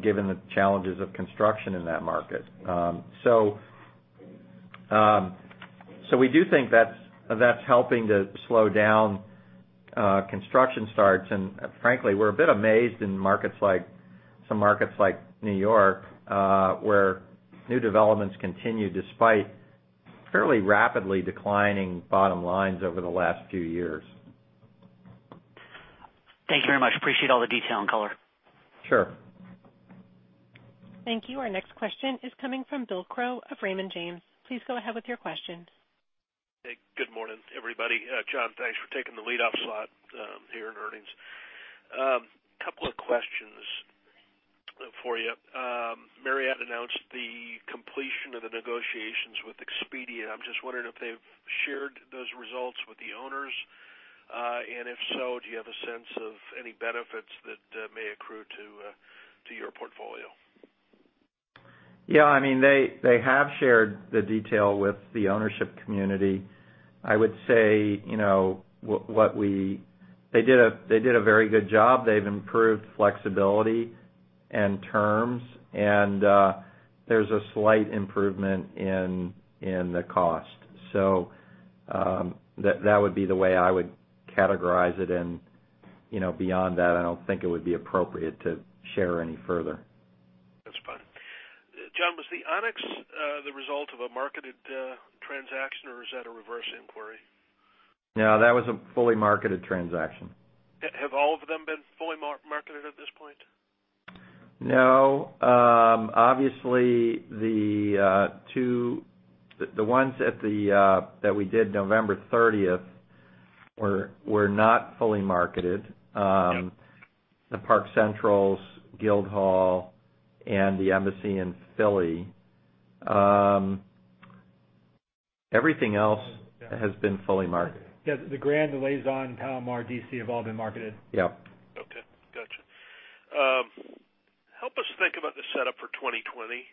given the challenges of construction in that market. We do think that's helping to slow down construction starts, and frankly, we're a bit amazed in some markets like New York, where new developments continue despite fairly rapidly declining bottom lines over the last few years. Thank you very much. Appreciate all the detail and color. Sure. Thank you. Our next question is coming from Bill Crow of Raymond James. Please go ahead with your question. Hey, good morning, everybody. Jon, thanks for taking the lead-off slot here in earnings. Couple of questions for you. Marriott announced the completion of the negotiations with Expedia. I'm just wondering if they've shared those results with the owners, and if so, do you have a sense of any benefits that may accrue to your portfolio? Yeah. They have shared the detail with the ownership community. I would say they did a very good job. They've improved flexibility and terms. There's a slight improvement in the cost. That would be the way I would categorize it. Beyond that, I don't think it would be appropriate to share any further. That's fine. Jon, was the Onyx the result of a marketed transaction or is that a reverse inquiry? No, that was a fully marketed transaction. Have all of them been fully marketed at this point? No. Obviously, the ones that we did November 30th were not fully marketed. The Park Centrals, Gild Hall, and the Embassy in Philly. Everything else has been fully marketed. Yes, The Grand, the Liaison, Palomar D.C. have all been marketed. Yep. Okay. Got you. Help us think about the setup for 2020.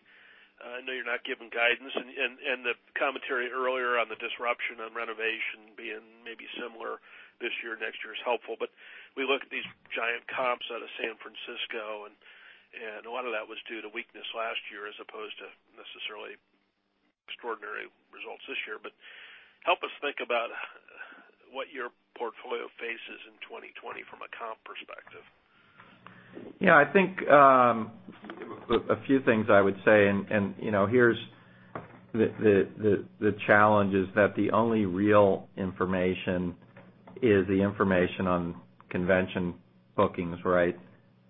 I know you're not giving guidance, the commentary earlier on the disruption on renovation being maybe similar this year or next year is helpful. We look at these giant comps out of San Francisco, a lot of that was due to weakness last year as opposed to necessarily extraordinary results this year. Help us think about what your portfolio faces in 2020 from a comp perspective. I think a few things I would say, here's the challenge is that the only real information is the information on convention bookings, right?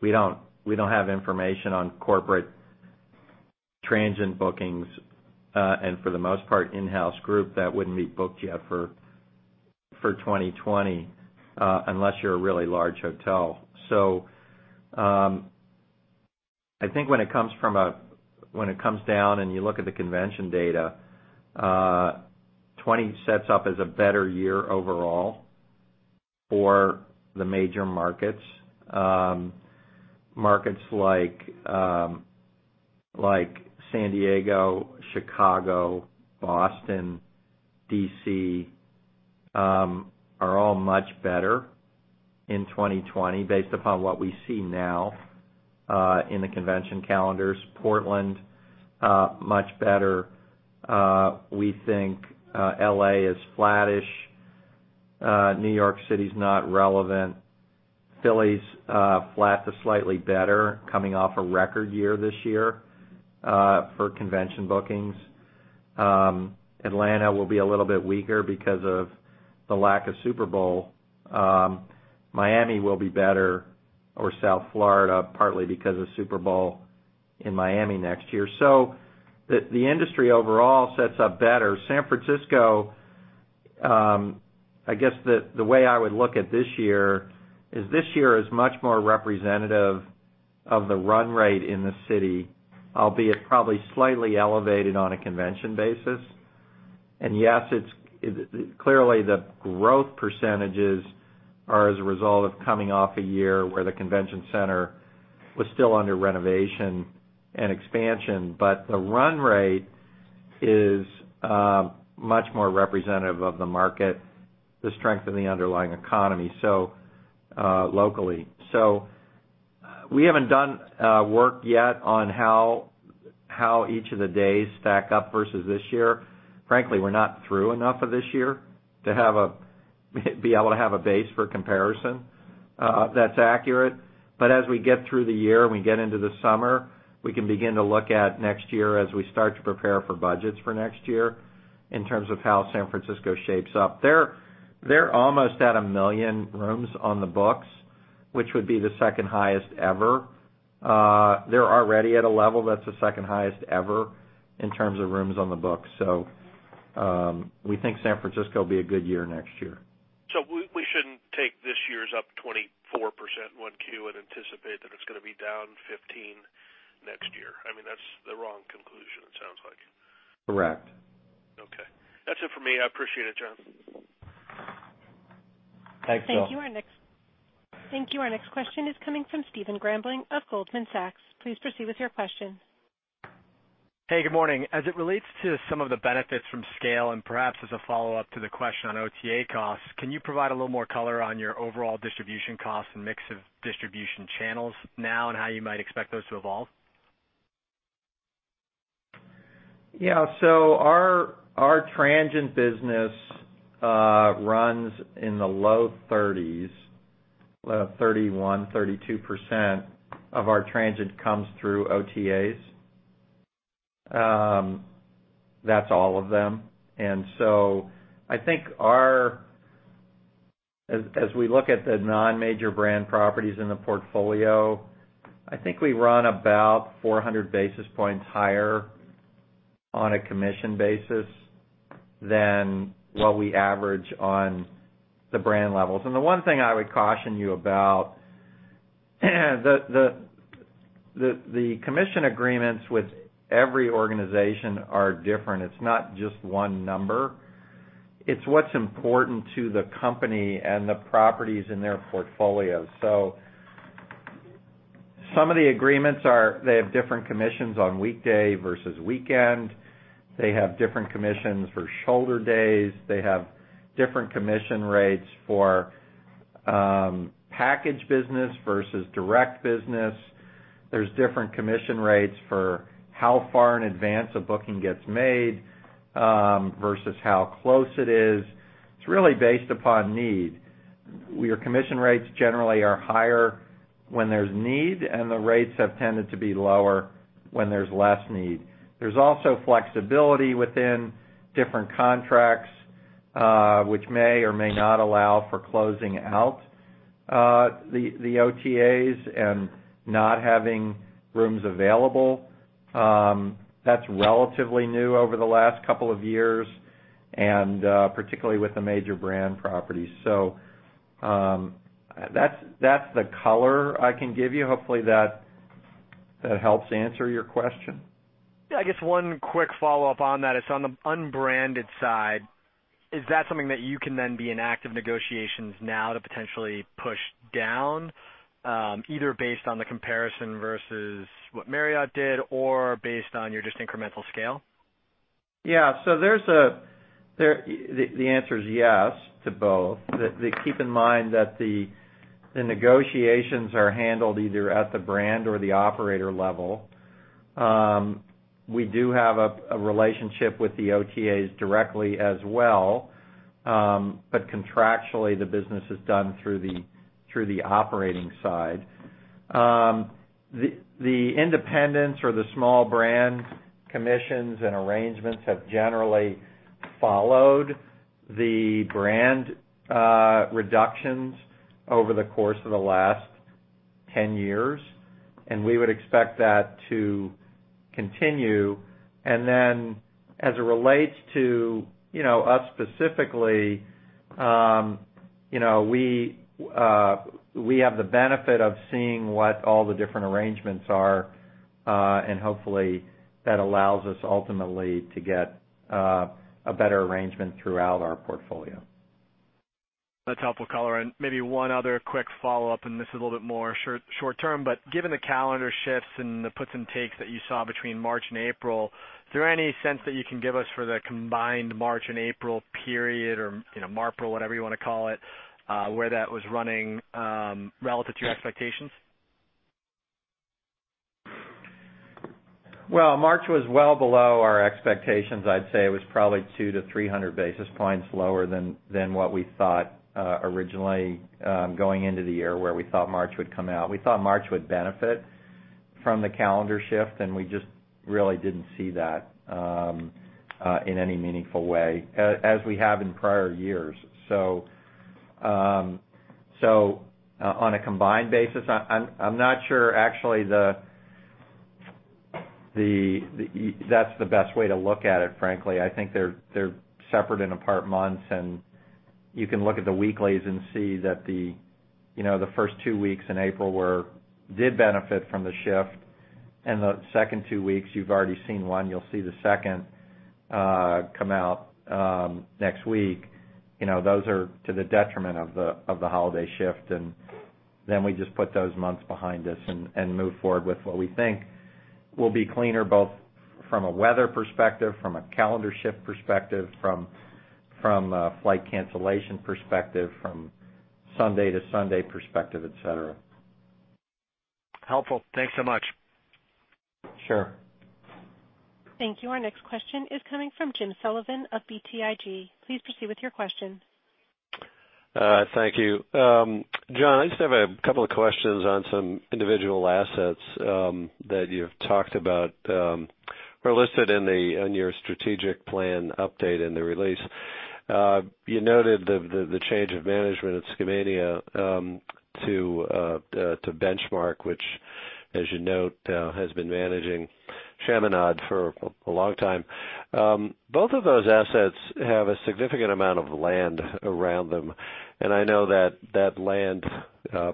We don't have information on corporate transient bookings. For the most part, in-house group, that wouldn't be booked yet for 2020, unless you're a really large hotel. I think when it comes down and you look at the convention data, 2020 sets up as a better year overall for the major markets. Markets like San Diego, Chicago, Boston, D.C. are all much better in 2020 based upon what we see now in the convention calendars. Portland, much better. We think L.A. is flattish. New York City's not relevant. Philly's flat to slightly better, coming off a record year this year for convention bookings. Atlanta will be a little bit weaker because of the lack of Super Bowl. Miami will be better, or South Florida, partly because of Super Bowl in Miami next year. The industry overall sets up better. San Francisco, I guess the way I would look at this year is this year is much more representative of the run rate in the city, albeit probably slightly elevated on a convention basis. Yes, clearly the growth percentages are as a result of coming off a year where the convention center was still under renovation and expansion. The run rate is much more representative of the market, the strength in the underlying economy locally. We haven't done work yet on how each of the days stack up versus this year. Frankly, we're not through enough of this year to be able to have a base for comparison that's accurate. As we get through the year and we get into the summer, we can begin to look at next year as we start to prepare for budgets for next year in terms of how San Francisco shapes up. They're almost at 1 million rooms on the books, which would be the second highest ever. They're already at a level that's the second highest ever in terms of rooms on the books. We think San Francisco will be a good year next year. We shouldn't take this year's up 24% in Q1 and anticipate that it's going to be down 15% next year. I mean, that's the wrong conclusion, it sounds like. Correct. That's it for me. I appreciate it, Jon. Thanks, Bill. Thank you. Our next question is coming from Stephen Grambling of Goldman Sachs. Please proceed with your question. Hey, good morning. As it relates to some of the benefits from scale, perhaps as a follow-up to the question on OTA costs, can you provide a little more color on your overall distribution costs and mix of distribution channels now, how you might expect those to evolve? Our transient business runs in the low thirties. 31, 32% of our transient comes through OTAs. That's all of them. I think as we look at the non-major brand properties in the portfolio, I think we run about 400 basis points higher on a commission basis than what we average on the brand levels. The one thing I would caution you about, the commission agreements with every organization are different. It's not just one number. It's what's important to the company and the properties in their portfolio. Some of the agreements are, they have different commissions on weekday versus weekend. They have different commissions for shoulder days. They have different commission rates for package business versus direct business. There's different commission rates for how far in advance a booking gets made versus how close it is. It's really based upon need. Your commission rates generally are higher when there's need, the rates have tended to be lower when there's less need. There's also flexibility within different contracts which may or may not allow for closing out the OTAs and not having rooms available. That's relatively new over the last couple of years, particularly with the major brand properties. That's the color I can give you. Hopefully, that helps answer your question. I guess one quick follow-up on that is on the unbranded side, is that something that you can then be in active negotiations now to potentially push down, either based on the comparison versus what Marriott did or based on your just incremental scale? The answer is yes to both. Keep in mind that the negotiations are handled either at the brand or the operator level. We do have a relationship with the OTAs directly as well, but contractually, the business is done through the operating side. The independents or the small brand commissions and arrangements have generally followed the brand reductions over the course of the last 10 years, and we would expect that to continue. As it relates to us specifically, we have the benefit of seeing what all the different arrangements are, and hopefully, that allows us ultimately to get a better arrangement throughout our portfolio. That's helpful color. Maybe one other quick follow-up, and this is a little bit more short-term, but given the calendar shifts and the puts and takes that you saw between March and April, is there any sense that you can give us for the combined March and April period or Marpril, whatever you wanna call it, where that was running relative to your expectations? Well, March was well below our expectations. I'd say it was probably two to 300 basis points lower than what we thought originally, going into the year, where we thought March would come out. We thought March would benefit from the calendar shift, and we just really didn't see that in any meaningful way as we have in prior years. On a combined basis, I'm not sure actually that's the best way to look at it, frankly. I think they're separate and apart months, and you can look at the weeklies and see that the first two weeks in April did benefit from the shift, and the second two weeks, you've already seen one, you'll see the second come out next week. Those are to the detriment of the holiday shift. We just put those months behind us and move forward with what we think will be cleaner, both from a weather perspective, from a calendar shift perspective, from a flight cancellation perspective, from Sunday to Sunday perspective, et cetera. Helpful. Thanks so much. Sure. Thank you. Our next question is coming from Jim Sullivan of BTIG. Please proceed with your question. Thank you. Jon, I just have a couple of questions on some individual assets that you've talked about or listed in your strategic plan update in the release. You noted the change of management at Skamania to Benchmark, which as you note, has been managing Chaminade for a long time. Both of those assets have a significant amount of land around them, and I know that that land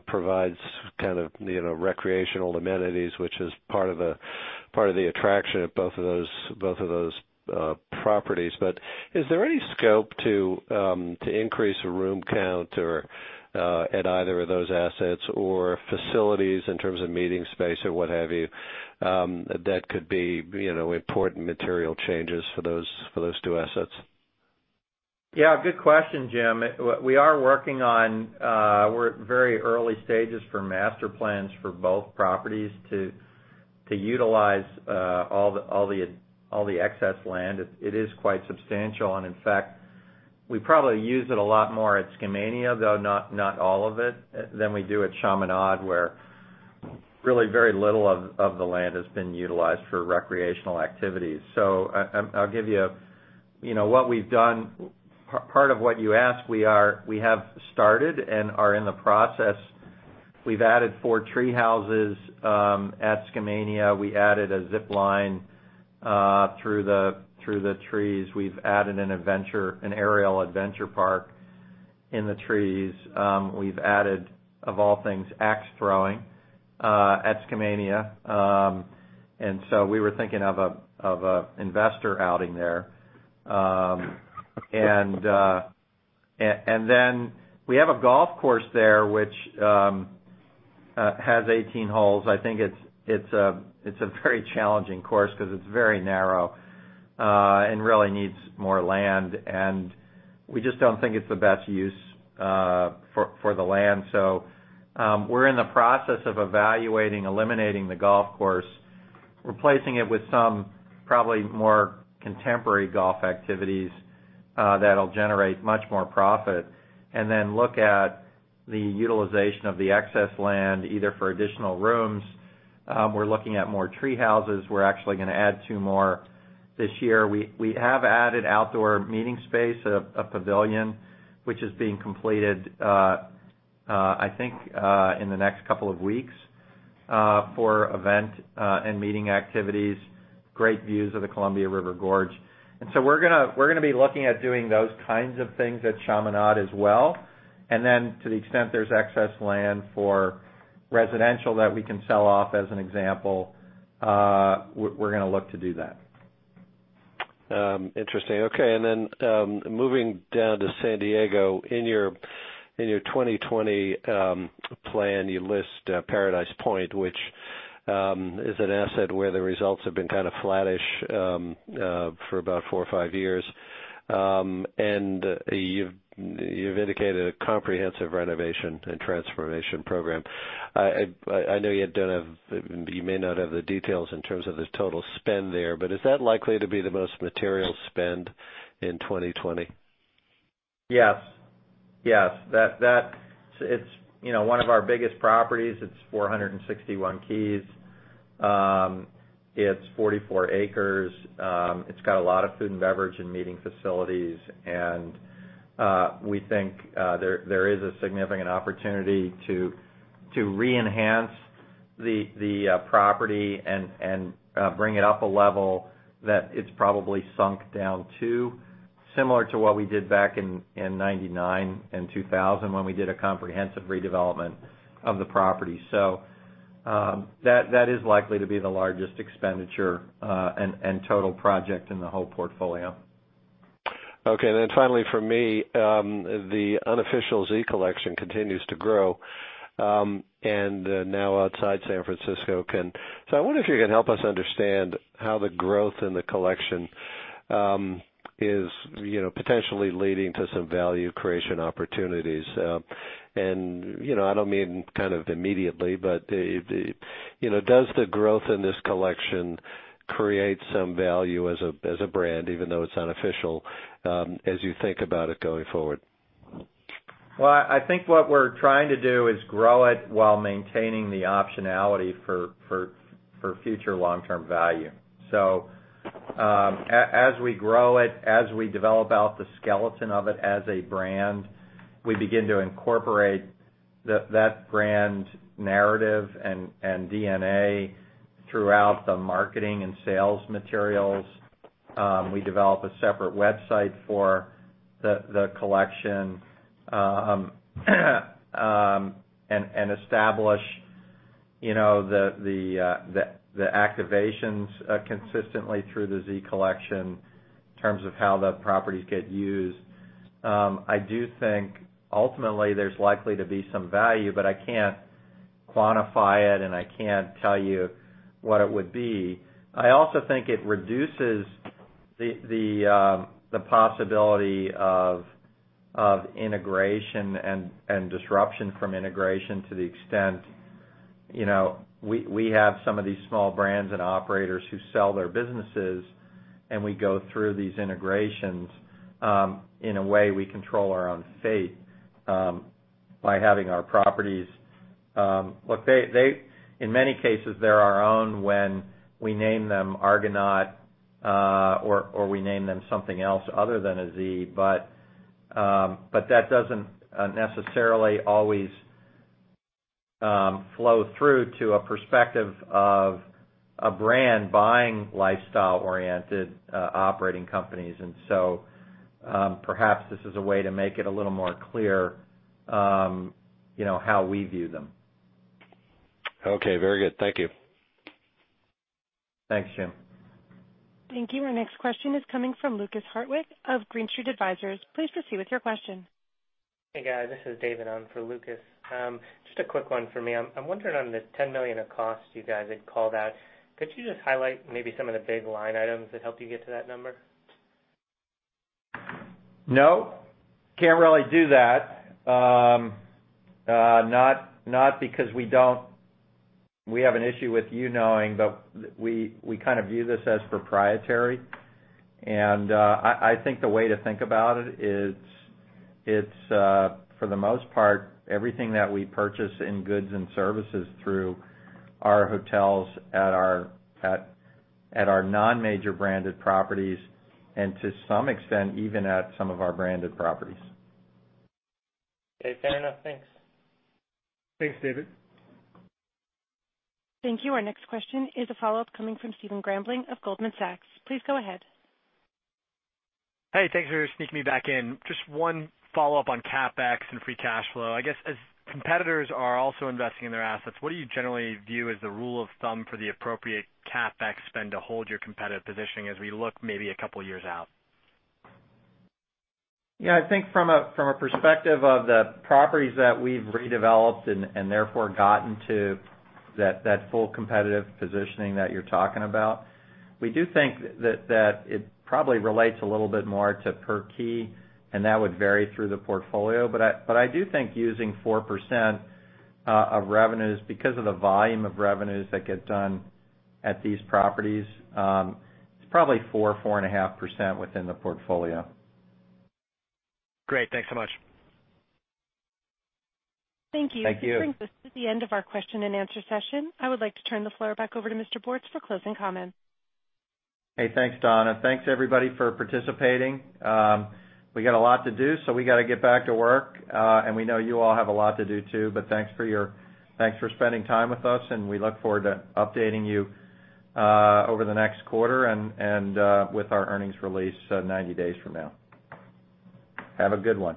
provides recreational amenities, which is part of the attraction at both of those properties. Is there any scope to increase room count at either of those assets or facilities in terms of meeting space or what have you, that could be important material changes for those two assets? Good question, Jim. We're at very early stages for master plans for both properties to utilize all the excess land. It is quite substantial, and in fact, we probably use it a lot more at Skamania, though not all of it, than we do at Chaminade, where really very little of the land has been utilized for recreational activities. I'll give you what we've done. Part of what you ask, we have started and are in the process. We've added four tree houses at Skamania. We added a zip line through the trees. We've added an aerial adventure park in the trees. We've added, of all things, axe throwing at Skamania. We were thinking of an investor outing there. We have a golf course there, which has 18 holes. I think it's a very challenging course because it's very narrow, and really needs more land, and we just don't think it's the best use for the land. We're in the process of evaluating eliminating the golf course, replacing it with some probably more contemporary golf activities that'll generate much more profit. Look at the utilization of the excess land, either for additional rooms, we're looking at more tree houses. We're actually going to add two more this year. We have added outdoor meeting space, a pavilion, which is being completed, I think, in the next couple of weeks, for event and meeting activities. Great views of the Columbia River Gorge. We're going to be looking at doing those kinds of things at Chaminade as well, and then to the extent there's excess land for residential that we can sell off, as an example, we're going to look to do that. Interesting. Okay. Moving down to San Diego, in your 2020 plan, you list Paradise Point, which is an asset where the results have been kind of flattish for about four or five years. You've indicated a comprehensive renovation and transformation program. I know you may not have the details in terms of the total spend there, but is that likely to be the most material spend in 2020? Yes. It's one of our biggest properties. It's 461 keys. It's 44 acres. It's got a lot of food and beverage and meeting facilities, and we think there is a significant opportunity to re-enhance the property and bring it up a level that it's probably sunk down too, similar to what we did back in 1999 and 2000, when we did a comprehensive redevelopment of the property. That is likely to be the largest expenditure, and total project in the whole portfolio. Finally from me, the Unofficial Z Collection continues to grow, and now outside San Francisco. I wonder if you can help us understand how the growth in the collection is potentially leading to some value creation opportunities. I don't mean immediately, but does the growth in this collection create some value as a brand, even though it's unofficial, as you think about it going forward? Well, I think what we're trying to do is grow it while maintaining the optionality for future long-term value. As we grow it, as we develop out the skeleton of it as a brand, we begin to incorporate that brand narrative and DNA throughout the marketing and sales materials. We develop a separate website for the collection, and establish the activations consistently through the Z Collection in terms of how the properties get used. I do think ultimately there's likely to be some value, but I can't quantify it, and I can't tell you what it would be. I also think it reduces the possibility of integration and disruption from integration to the extent we have some of these small brands and operators who sell their businesses, and we go through these integrations, in a way, we control our own fate by having our properties. In many cases, they're our own when we name them Argonaut, or we name them something else other than a Z. That doesn't necessarily always flow through to a perspective of a brand buying lifestyle-oriented operating companies. Perhaps this is a way to make it a little more clear, how we view them. Okay, very good. Thank you. Thanks, Jim. Thank you. Our next question is coming from Lukas Hartwich of Green Street Advisors. Please proceed with your question. Hey, guys. This is David on for Lukas. Just a quick one for me. I'm wondering on the $10 million of costs you guys had called out, could you just highlight maybe some of the big line items that helped you get to that number? No, can't really do that. Not because we have an issue with you knowing, but we kind of view this as proprietary. I think the way to think about it is, it's, for the most part, everything that we purchase in goods and services through our hotels at our non-major branded properties and to some extent, even at some of our branded properties. Okay. Fair enough. Thanks. Thanks, David. Thank you. Our next question is a follow-up coming from Stephen Grambling of Goldman Sachs. Please go ahead. Hey, thanks for sneaking me back in. Just one follow-up on CapEx and free cash flow. I guess, as competitors are also investing in their assets, what do you generally view as the rule of thumb for the appropriate CapEx spend to hold your competitive positioning as we look maybe a couple of years out? Yeah, I think from a perspective of the properties that we've redeveloped and therefore gotten to that full competitive positioning that you're talking about, we do think that it probably relates a little bit more to per key, and that would vary through the portfolio. I do think using 4% of revenues, because of the volume of revenues that get done at these properties, it's probably 4%, 4.5% within the portfolio. Great. Thanks so much. Thank you. Thank you. That brings us to the end of our question and answer session. I would like to turn the floor back over to Mr. Bortz for closing comments. Hey, thanks, Donna. Thanks everybody for participating. We got a lot to do, so we got to get back to work. And we know you all have a lot to do too, but thanks for spending time with us, and we look forward to updating you over the next quarter, and with our earnings release 90 days from now. Have a good one.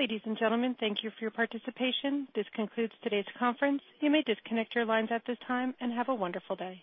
Ladies and gentlemen, thank you for your participation. This concludes today's conference. You may disconnect your lines at this time, and have a wonderful day.